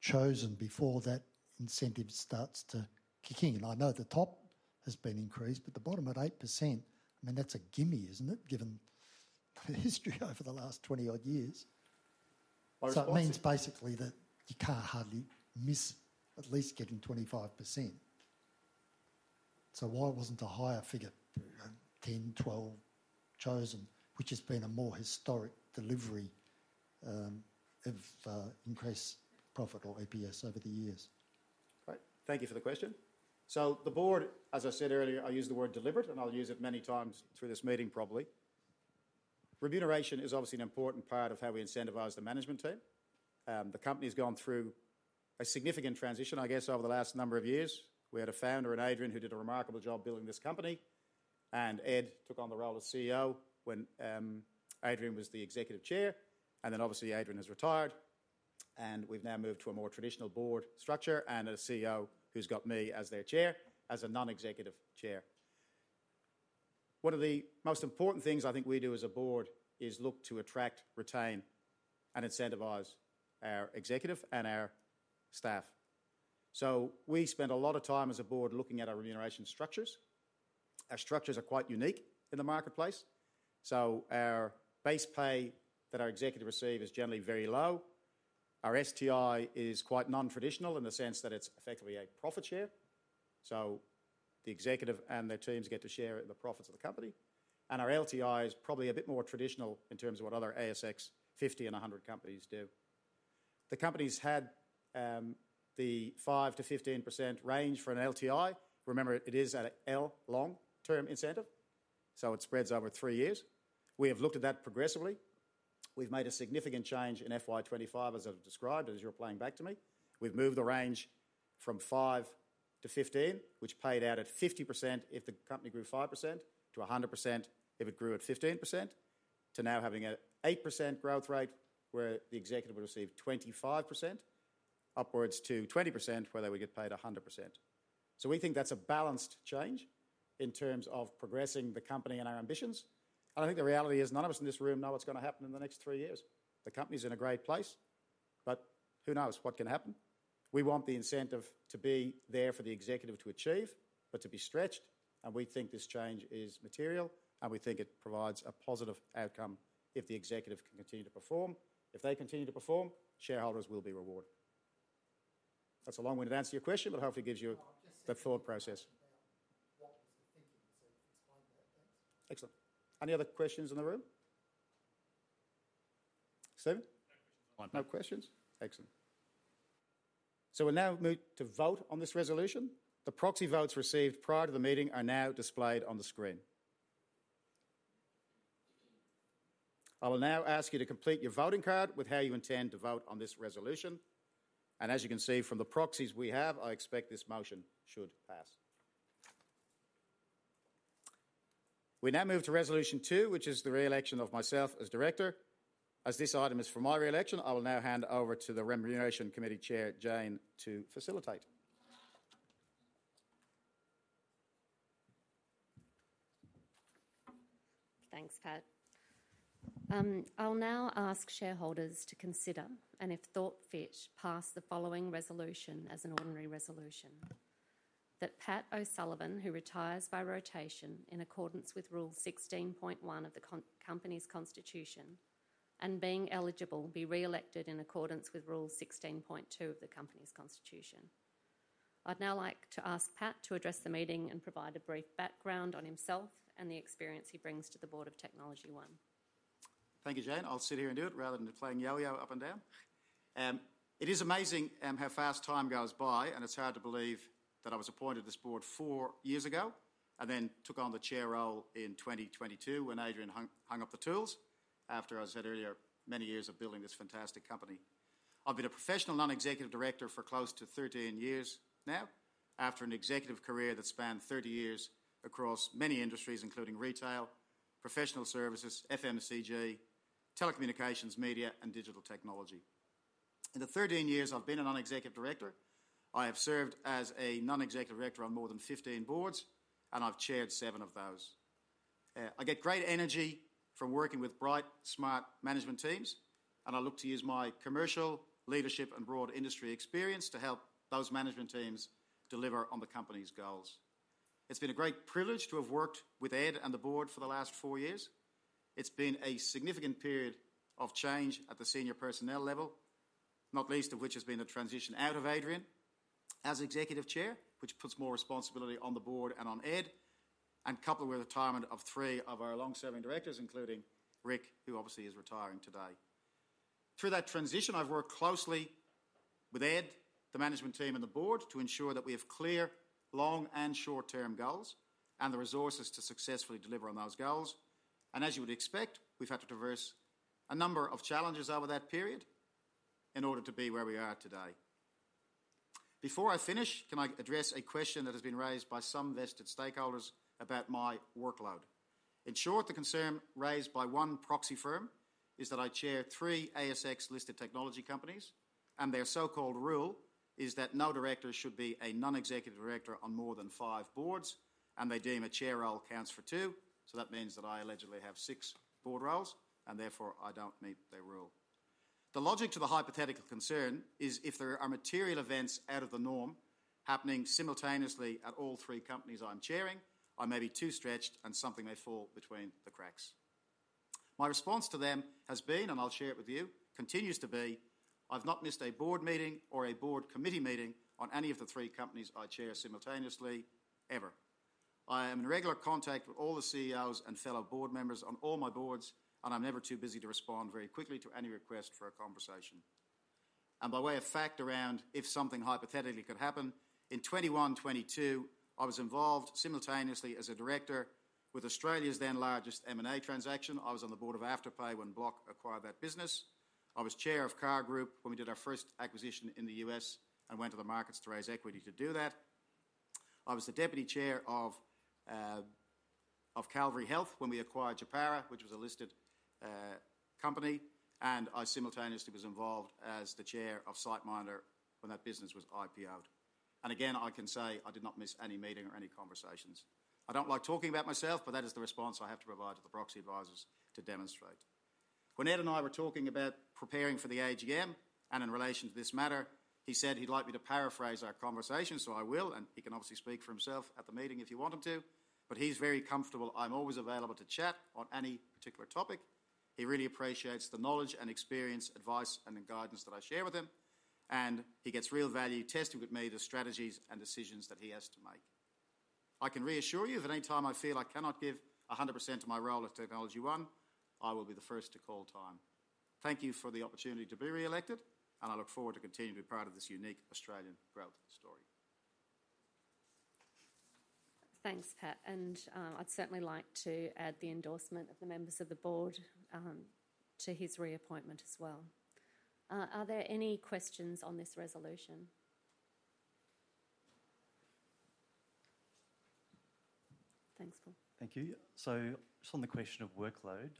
chosen before that incentive starts to kick in? I know the top has been increased, but the bottom at 8%, I mean, that's a gimme, isn't it, given the history over the last 20-odd years? So it means basically that you can't hardly miss at least getting 25%. So why wasn't a higher figure, 10%, 12% chosen, which has been a more historic delivery of increased profit or EPS over the years? Right. Thank you for the question. So the board, as I said earlier, I use the word deliberate, and I'll use it many times through this meeting probably. Remuneration is obviously an important part of how we incentivize the management team. The company has gone through a significant transition, I guess, over the last number of years. We had a founder in Adrian who did a remarkable job building this company, and Ed took on the role of CEO when Adrian was the executive chair. And then obviously, Adrian has retired, and we've now moved to a more traditional board structure and a CEO who's got me as their chair as a non-executive chair. One of the most important things I think we do as a board is look to attract, retain, and incentivize our executive and our staff. So we spend a lot of time as a board looking at our remuneration structures. Our structures are quite unique in the marketplace, so our base pay that our executive receive is generally very low. Our STI is quite non-traditional in the sense that it's effectively a profit share, so the executive and their teams get to share the profits of the company, and our LTI is probably a bit more traditional in terms of what other ASX 50 and 100 companies do. The companies had the 5%-15% range for an LTI. Remember, it is at a long-term incentive, so it spreads over three years. We have looked at that progressively. We've made a significant change in FY25, as I've described, as you're playing back to me. We've moved the range from 5%-15%, which paid out at 50% if the company grew 5% to 100% if it grew at 15%, to now having an 8% growth rate where the executive would receive 25%, upwards to 20% where they would get paid 100%. So we think that's a balanced change in terms of progressing the company and our ambitions. And I think the reality is none of us in this room know what's going to happen in the next three years. The company's in a great place, but who knows what can happen? We want the incentive to be there for the executive to achieve, but to be stretched. And we think this change is material, and we think it provides a positive outcome if the executive can continue to perform. If they continue to perform, shareholders will be rewarded. That's a long-winded answer to your question, but hopefully it gives you the thought process. What was the thinking? So explain that, thanks. Excellent. Any other questions in the room? Stephen? No questions on that. No questions. Excellent, so we'll now move to vote on this resolution. The proxy votes received prior to the meeting are now displayed on the screen. I will now ask you to complete your voting card with how you intend to vote on this resolution, and as you can see from the proxies we have, I expect this motion should pass. We now move to Resolution 2, which is the re-election of myself as director. As this item is for my re-election, I will now hand over to the Remuneration Committee Chair, Jane, to facilitate. Thanks, Pat. I'll now ask shareholders to consider, and if thought fit, pass the following resolution as an ordinary resolution: that Pat O'Sullivan, who retires by rotation in accordance with Rule 16.1 of the company's constitution and being eligible, be re-elected in accordance with Rule 16.2 of the company's constitution. I'd now like to ask Pat to address the meeting and provide a brief background on himself and the experience he brings to the board of TechnologyOne. Thank you, Jane. I'll sit here and do it rather than playing yo-yo up and down. It is amazing how fast time goes by, and it's hard to believe that I was appointed to this board four years ago and then took on the chair role in 2022 when Adrian hung up the tools after, as I said earlier, many years of building this fantastic company. I've been a professional non-executive director for close to 13 years now, after an executive career that spanned 30 years across many industries, including retail, professional services, FMCG, telecommunications, media, and digital technology. In the 13 years I've been a non-executive director, I have served as a non-executive director on more than 15 boards, and I've chaired seven of those. I get great energy from working with bright, smart management teams, and I look to use my commercial leadership and broad industry experience to help those management teams deliver on the company's goals. It's been a great privilege to have worked with Ed and the board for the last four years. It's been a significant period of change at the senior personnel level, not least of which has been the transition out of Adrian as executive chair, which puts more responsibility on the board and on Ed, and coupled with the retirement of three of our long-serving directors, including Rick, who obviously is retiring today. Through that transition, I've worked closely with Ed, the management team, and the board to ensure that we have clear long and short-term goals and the resources to successfully deliver on those goals. And as you would expect, we've had to traverse a number of challenges over that period in order to be where we are today. Before I finish, can I address a question that has been raised by some vested stakeholders about my workload? In short, the concern raised by one proxy firm is that I chair three ASX-listed technology companies, and their so-called rule is that no director should be a non-executive director on more than five boards, and they deem a chair role counts for two. So that means that I allegedly have six board roles, and therefore I don't meet their rule. The logic to the hypothetical concern is if there are material events out of the norm happening simultaneously at all three companies I'm chairing, I may be too stretched and something may fall between the cracks. My response to them has been, and I'll share it with you, continues to be, I've not missed a board meeting or a board committee meeting on any of the three companies I chair simultaneously ever. I am in regular contact with all the CEOs and fellow board members on all my boards, and I'm never too busy to respond very quickly to any request for a conversation and by way of fact around if something hypothetically could happen, in 2021-22, I was involved simultaneously as a director with Australia's then largest M&A transaction. I was on the board of Afterpay when Block acquired that business. I was chair of CAR Group when we did our first acquisition in the U.S. and went to the markets to raise equity to do that. I was the deputy chair of Calvary Health Care when we acquired Japara, which was a listed company, and I simultaneously was involved as the chair of SiteMinder when that business was IPO'd, and again, I can say I did not miss any meeting or any conversations. I don't like talking about myself, but that is the response I have to provide to the proxy advisors to demonstrate. When Ed and I were talking about preparing for the AGM and in relation to this matter, he said he'd like me to paraphrase our conversation, so I will, and he can obviously speak for himself at the meeting if you want him to, but he's very comfortable. I'm always available to chat on any particular topic. He really appreciates the knowledge and experience, advice, and guidance that I share with him, and he gets real value testing with me the strategies and decisions that he has to make. I can reassure you that anytime I feel I cannot give 100% to my role at TechnologyOne, I will be the first to call time. Thank you for the opportunity to be re-elected, and I look forward to continuing to be part of this unique Australian growth story. Thanks, Pat. And I'd certainly like to add the endorsement of the members of the board to his reappointment as well. Are there any questions on this resolution? Thanks, Paul. Thank you. So just on the question of workload,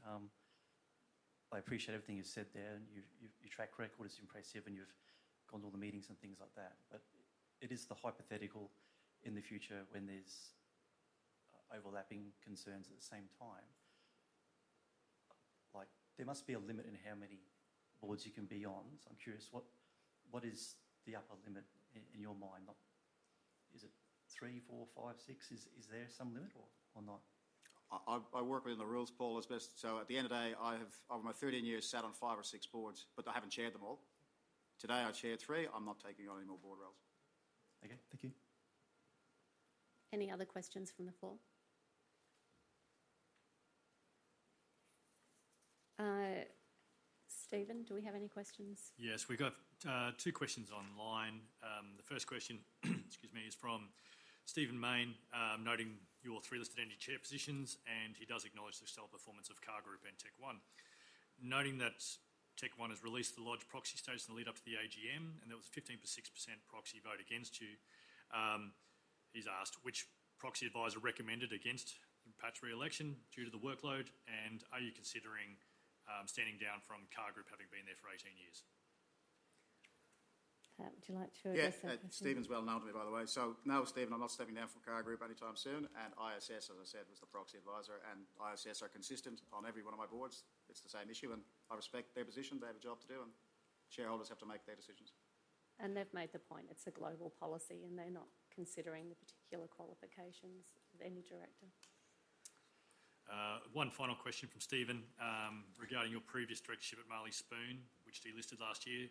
I appreciate everything you've said there. Your track record is impressive, and you've gone to all the meetings and things like that, but it is the hypothetical in the future when there's overlapping concerns at the same time. There must be a limit in how many boards you can be on, so I'm curious what is the upper limit in your mind? Is it three, four, five, six? Is there some limit or not? I work within the rules, Paul, as best. So at the end of the day, I have, over my 13 years, sat on five or six boards, but I haven't chaired them all. Today, I chair three. I'm not taking on any more board roles. Okay. Thank you. Any other questions from the floor? Stephen, do we have any questions? Yes, we've got two questions online. The first question, excuse me, is from Stephen Mayne, noting you're three-listed entity chair positions, and he does acknowledge the stellar performance of CAR Group and TechOne. Noting that TechOne has released the lodged proxy statement to lead up to the AGM, and there was a 15%-16% proxy vote against you. He's asked which proxy advisor recommended against Pat's re-election due to the workload, and are you considering stepping down from CAR Group having been there for 18 years? Would you like to address that question? Yeah, Stephen's well known to me, by the way. So no, Stephen, I'm not stepping down from CAR Group anytime soon. And ISS, as I said, was the proxy advisor, and ISS are consistent on every one of my boards. It's the same issue, and I respect their position. They have a job to do, and shareholders have to make their decisions. And they've made the point it's a global policy, and they're not considering the particular qualifications of any director. One final question from Stephen regarding your previous directorship at Marley Spoon, which delisted last year.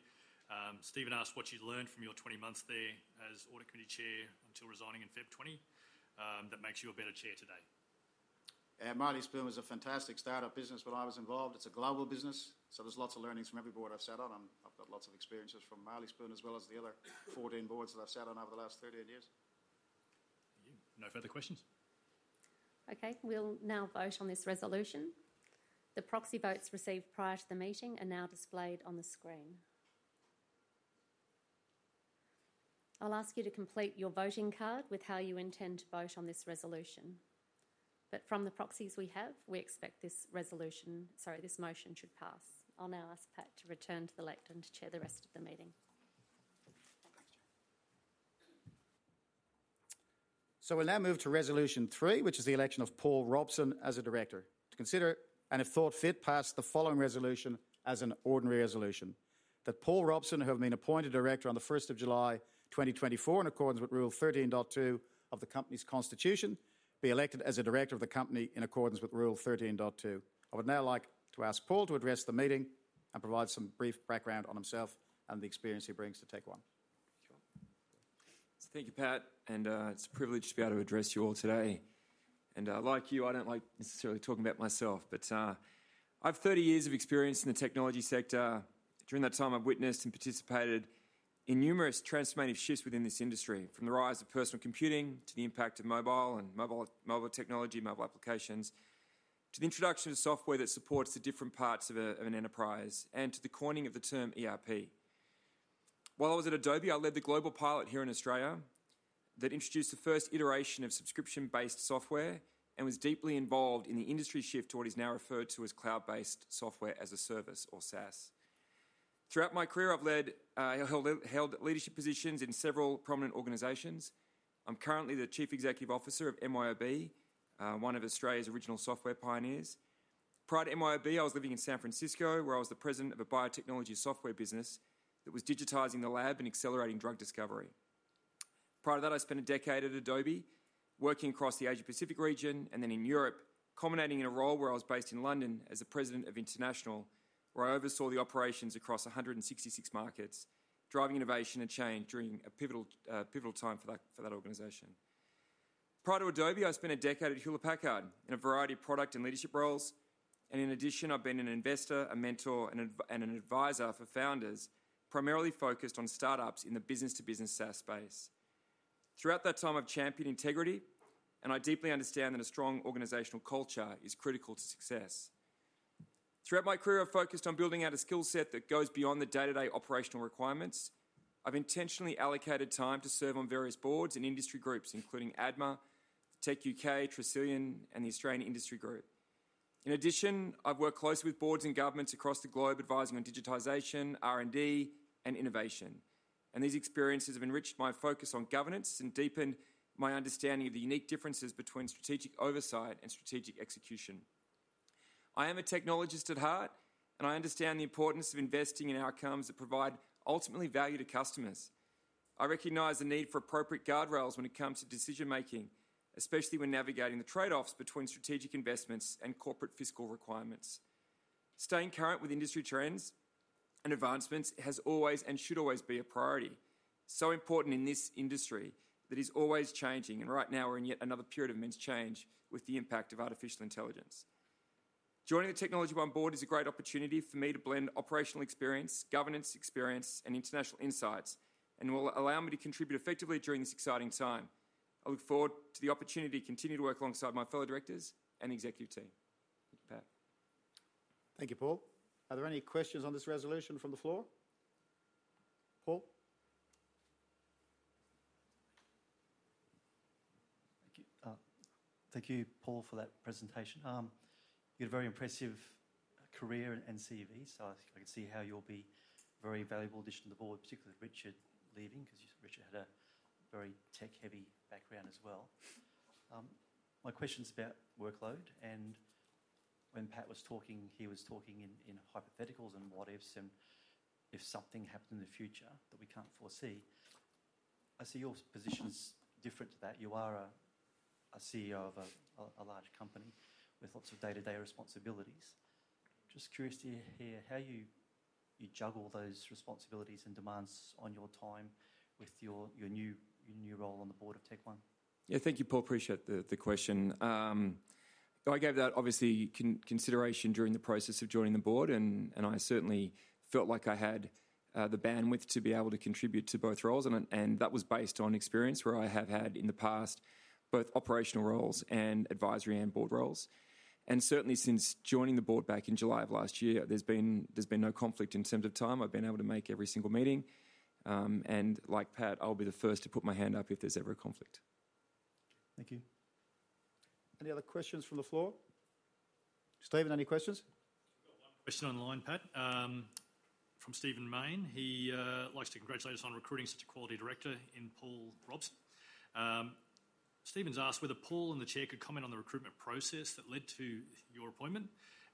Stephen asked what you learned from your 20 months there as Audit Committee Chair until resigning in February 2020 that makes you a better chair today. Marley Spoon was a fantastic startup business when I was involved. It's a global business, so there's lots of learnings from every board I've sat on. I've got lots of experiences from Marley Spoon as well as the other 14 boards that I've sat on over the last 13 years. No further questions. Okay. We'll now vote on this resolution. The proxy votes received prior to the meeting are now displayed on the screen. I'll ask you to complete your voting card with how you intend to vote on this resolution. But from the proxies we have, we expect this resolution, sorry, this motion, to pass. I'll now ask Pat to return to the lectern to chair the rest of the meeting. So we'll now move to Resolution 3, which is the election of Paul Robson as a director. To consider and, if thought fit, pass the following resolution as an ordinary resolution: that Paul Robson, who has been appointed director on the 1st of July 2024 in accordance with Rule 13.2 of the company's constitution, be elected as a director of the company in accordance with Rule 13.2. I would now like to ask Paul to address the meeting and provide some brief background on himself and the experience he brings to TechOne. Thank you, Pat. And it's a privilege to be able to address you all today. And like you, I don't like necessarily talking about myself, but I have 30 years of experience in the technology sector. During that time, I've witnessed and participated in numerous transformative shifts within this industry, from the rise of personal computing to the impact of mobile and mobile technology, mobile applications, to the introduction of software that supports the different parts of an enterprise, and to the coining of the term ERP. While I was at Adobe, I led the global pilot here in Australia that introduced the first iteration of subscription-based software and was deeply involved in the industry shift to what is now referred to as cloud-based software as a service or SaaS. Throughout my career, I've held leadership positions in several prominent organizations. I'm currently the Chief Executive Officer of MYOB, one of Australia's original software pioneers. Prior to MYOB, I was living in San Francisco, where I was the president of a biotechnology software business that was digitizing the lab and accelerating drug discovery. Prior to that, I spent a decade at Adobe working across the Asia-Pacific region and then in Europe, culminating in a role where I was based in London as the president of International, where I oversaw the operations across 166 markets, driving innovation and change during a pivotal time for that organization. Prior to Adobe, I spent a decade at Hewlett-Packard in a variety of product and leadership roles, and in addition, I've been an investor, a mentor, and an advisor for founders, primarily focused on startups in the business-to-business SaaS space. Throughout that time, I've championed integrity, and I deeply understand that a strong organizational culture is critical to success. Throughout my career, I've focused on building out a skill set that goes beyond the day-to-day operational requirements. I've intentionally allocated time to serve on various boards and industry groups, including ADMA, techUK, Tresillian, and the Australian Industry Group. In addition, I've worked closely with boards and governments across the globe advising on digitization, R&D, and innovation. And these experiences have enriched my focus on governance and deepened my understanding of the unique differences between strategic oversight and strategic execution. I am a technologist at heart, and I understand the importance of investing in outcomes that provide ultimately value to customers. I recognize the need for appropriate guardrails when it comes to decision-making, especially when navigating the trade-offs between strategic investments and corporate fiscal requirements. Staying current with industry trends and advancements has always and should always be a priority. So important in this industry that it is always changing, and right now we're in yet another period of immense change with the impact of artificial intelligence. Joining the TechnologyOne board is a great opportunity for me to blend operational experience, governance experience, and international insights, and will allow me to contribute effectively during this exciting time. I look forward to the opportunity to continue to work alongside my fellow directors and executive team. Thank you, Pat. Thank you, Paul. Are there any questions on this resolution from the floor? Paul? Thank you. Thank you, Paul, for that presentation. You had a very impressive career and CV, so I can see how you'll be a very valuable addition to the board, particularly with Richard leaving, because Richard had a very tech-heavy background as well. My question's about workload, and when Pat was talking, he was talking in hypotheticals and what-ifs and if something happened in the future that we can't foresee. I see your position's different to that. You are a CEO of a large company with lots of day-to-day responsibilities. Just curious to hear how you juggle those responsibilities and demands on your time with your new role on the board of TechOne. Yeah, thank you, Paul. Appreciate the question. I gave that, obviously, consideration during the process of joining the board, and I certainly felt like I had the bandwidth to be able to contribute to both roles, and that was based on experience where I have had in the past, both operational roles and advisory and board roles. And certainly, since joining the board back in July of last year, there's been no conflict in terms of time. I've been able to make every single meeting, and like Pat, I'll be the first to put my hand up if there's ever a conflict. Thank you. Any other questions from the floor? Stephen, any questions? I've got one question online, Pat, from Stephen Mayne. He likes to congratulate us on recruiting such a quality director in Paul Robson. Stephen's asked whether Paul and the chair could comment on the recruitment process that led to your appointment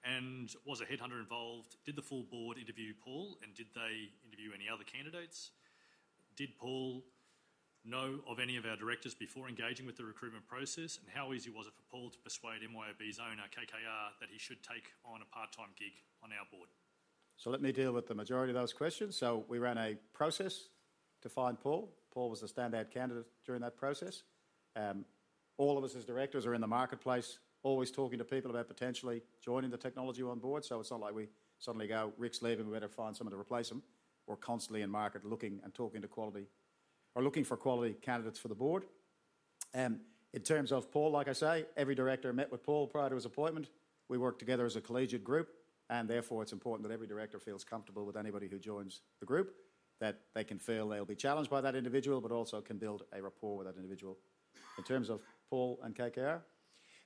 and was a headhunter involved. Did the full board interview Paul, and did they interview any other candidates? Did Paul know of any of our directors before engaging with the recruitment process, and how easy was it for Paul to persuade MYOB's owner, KKR, that he should take on a part-time gig on our board? So let me deal with the majority of those questions. So we ran a process to find Paul. Paul was a standout candidate during that process. All of us as directors are in the marketplace, always talking to people about potentially joining the TechnologyOne board. So it's not like we suddenly go, "Rick's leaving. We better find somebody to replace him." We're constantly in market looking and talking to quality or looking for quality candidates for the board. In terms of Paul, like I say, every director met with Paul prior to his appointment. We work together as a collegiate group, and therefore it's important that every director feels comfortable with anybody who joins the group, that they can feel they'll be challenged by that individual, but also can build a rapport with that individual. In terms of Paul and KKR?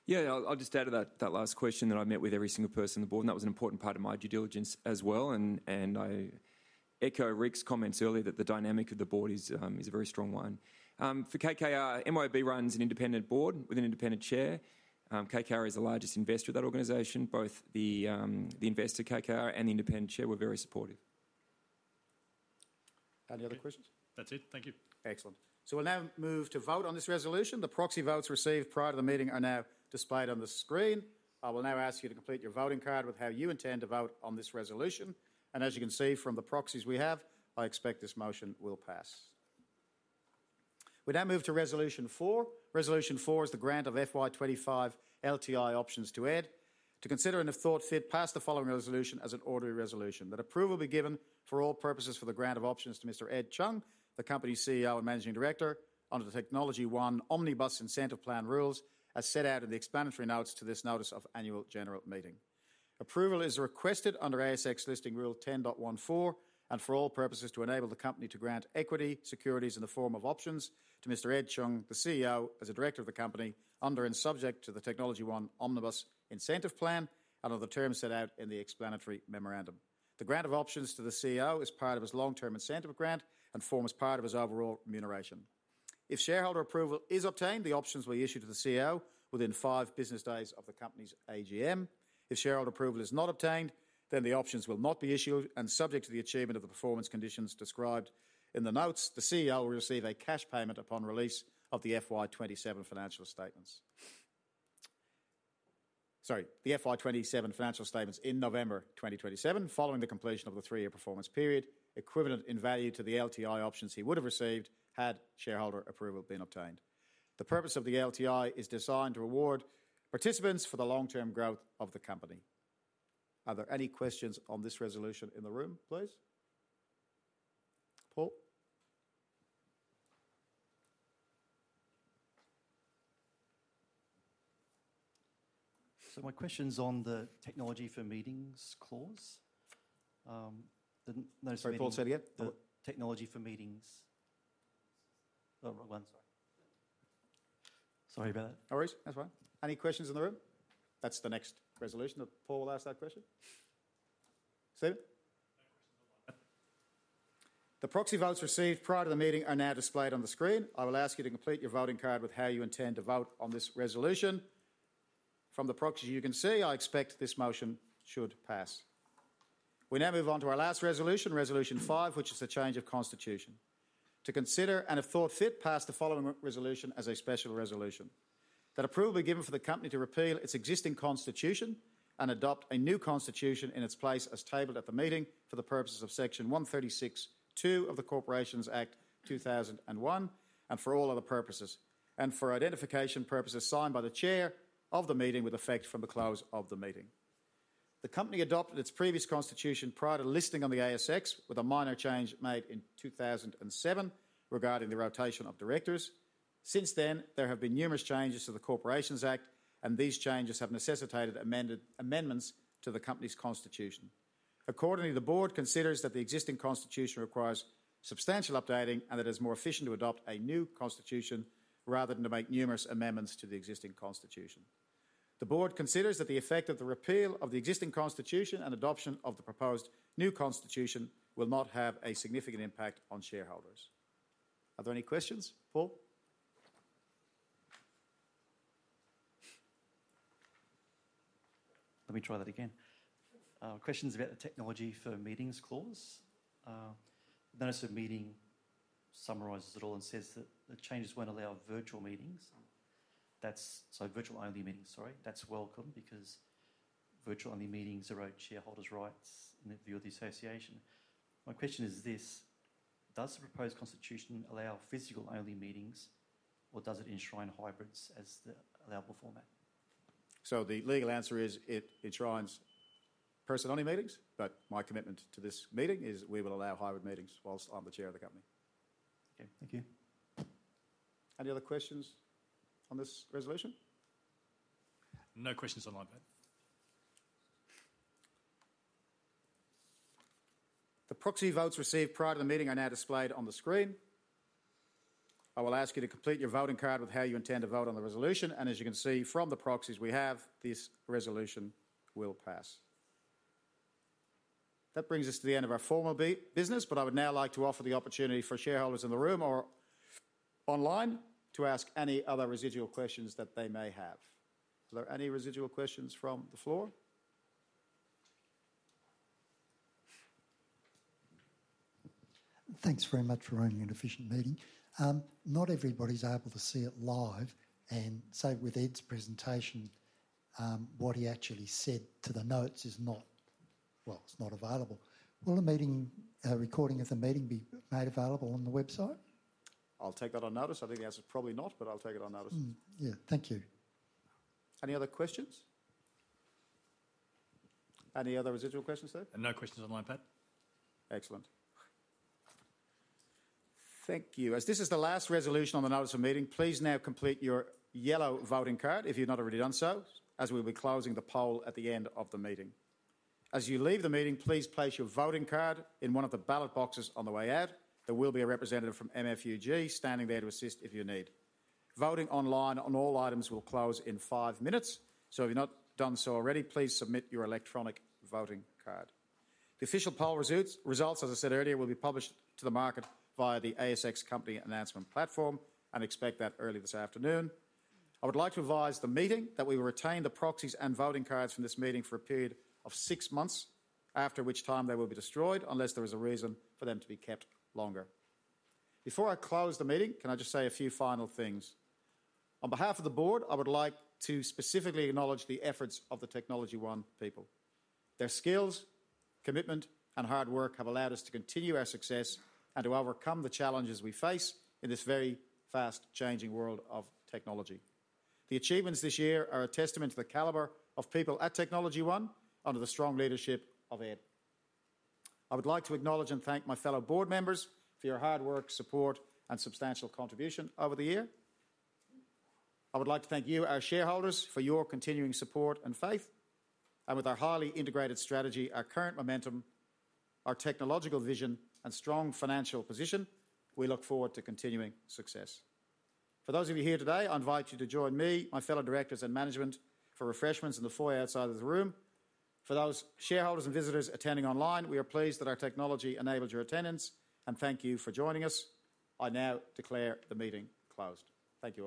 Yeah, I'll just add to that last question that I met with every single person on the board, and that was an important part of my due diligence as well. And I echo Rick's comments earlier that the dynamic of the board is a very strong one. For KKR, MYOB runs an independent board with an independent chair. KKR is the largest investor of that organization. Both the investor, KKR, and the independent chair were very supportive. Any other questions? That's it. Thank you. Excellent, so we'll now move to vote on this resolution. The proxy votes received prior to the meeting are now displayed on the screen. I will now ask you to complete your voting card with how you intend to vote on this resolution, and as you can see from the proxies we have, I expect this motion will pass. We now move to Resolution 4. Resolution 4 is the grant of FY25 LTI options to Ed. To consider and, if thought fit, pass the following resolution as an ordinary resolution. That approval be given for all purposes for the grant of options to Mr. Ed Chung, the company's CEO and Managing Director, under the TechnologyOne Omnibus Incentive Plan rules as set out in the Explanatory Notes to this notice of annual general meeting. Approval is requested under ASX Listing Rule 10.14 and for all purposes to enable the company to grant equity securities in the form of options to Mr. Ed Chung, the CEO, as a director of the company under and subject to the TechnologyOne Omnibus Incentive Plan and under the terms set out in the Explanatory Memorandum. The grant of options to the CEO is part of his long-term incentive grant and forms part of his overall remuneration. If shareholder approval is obtained, the options will be issued to the CEO within five business days of the company's AGM. If shareholder approval is not obtained, then the options will not be issued and subject to the achievement of the performance conditions described in the notes, the CEO will receive a cash payment upon release of the FY27 financial statements. Sorry, the FY27 financial statements in November 2027 following the completion of the three-year performance period, equivalent in value to the LTI options he would have received had shareholder approval been obtained. The purpose of the LTI is designed to reward participants for the long-term growth of the company. Are there any questions on this resolution in the room, please? Paul? So my question's on the technology for meetings clause. Sorry, Paul, say it again. Technology for meetings. Oh, wrong one, sorry. Sorry about that. No worries. That's fine. Any questions in the room? That's the next resolution. Did Paul ask that question? Stephen? No questions online. The proxy votes received prior to the meeting are now displayed on the screen. I will ask you to complete your voting card with how you intend to vote on this resolution. From the proxies you can see, I expect this motion should pass. We now move on to our last resolution, Resolution 5, which is the change of constitution. To consider and, if thought fit, pass the following resolution as a special resolution. That approval be given for the company to repeal its existing constitution and adopt a new constitution in its place as tabled at the meeting for the purposes of Section 136(2) of the Corporations Act 2001 and for all other purposes, and for identification purposes signed by the chair of the meeting with effect from the close of the meeting. The company adopted its previous constitution prior to listing on the ASX with a minor change made in 2007 regarding the rotation of directors. Since then, there have been numerous changes to the Corporations Act, and these changes have necessitated amendments to the company's constitution. Accordingly, the board considers that the existing constitution requires substantial updating and that it is more efficient to adopt a new constitution rather than to make numerous amendments to the existing constitution. The board considers that the effect of the repeal of the existing constitution and adoption of the proposed new constitution will not have a significant impact on shareholders. Are there any questions, Paul? Let me try that again. Questions about the technology for meetings clause. The Notice of Meeting summarizes it all and says that the changes won't allow virtual meetings. That's so virtual-only meetings, sorry. That's welcome because virtual-only meetings erode shareholders' rights in view of the association. My question is this: does the proposed constitution allow physical-only meetings, or does it enshrine hybrids as the allowable format? So the legal answer is it enshrines person-only meetings, but my commitment to this meeting is we will allow hybrid meetings whilst I'm the chair of the company. Okay, thank you. Any other questions on this resolution? No questions online, Pat. The proxy votes received prior to the meeting are now displayed on the screen. I will ask you to complete your voting card with how you intend to vote on the resolution, and as you can see from the proxies we have, this resolution will pass. That brings us to the end of our formal business, but I would now like to offer the opportunity for shareholders in the room or online to ask any other residual questions that they may have. Are there any residual questions from the floor? Thanks very much for running an efficient meeting. Not everybody's able to see it live, and so with Ed's presentation, what he actually said to the notes is not, well, it's not available. Will a meeting recording of the meeting be made available on the website? I'll take that on notice. I think the answer's probably not, but I'll take it on notice. Yeah, thank you. Any other questions? Any other residual questions, sir? No questions online, Pat. Excellent. Thank you. As this is the last resolution on the Notice of Meeting, please now complete your yellow voting card if you've not already done so, as we'll be closing the poll at the end of the meeting. As you leave the meeting, please place your voting card in one of the ballot boxes on the way out. There will be a representative from MUFG standing there to assist if you need. Voting online on all items will close in five minutes, so if you've not done so already, please submit your electronic voting card. The official poll results, as I said earlier, will be published to the market via the ASX Company Announcement Platform, and expect that early this afternoon. I would like to advise the meeting that we will retain the proxies and voting cards from this meeting for a period of six months, after which time they will be destroyed unless there is a reason for them to be kept longer. Before I close the meeting, can I just say a few final things? On behalf of the board, I would like to specifically acknowledge the efforts of the TechnologyOne people. Their skills, commitment, and hard work have allowed us to continue our success and to overcome the challenges we face in this very fast-changing world of technology. The achievements this year are a testament to the caliber of people at TechnologyOne under the strong leadership of Ed. I would like to acknowledge and thank my fellow board members for your hard work, support, and substantial contribution over the year. I would like to thank you, our shareholders, for your continuing support and faith, and with our highly integrated strategy, our current momentum, our technological vision, and strong financial position, we look forward to continuing success. For those of you here today, I invite you to join me, my fellow directors, and management for refreshments in the foyer outside of the room. For those shareholders and visitors attending online, we are pleased that our technology enabled your attendance, and thank you for joining us. I now declare the meeting closed. Thank you.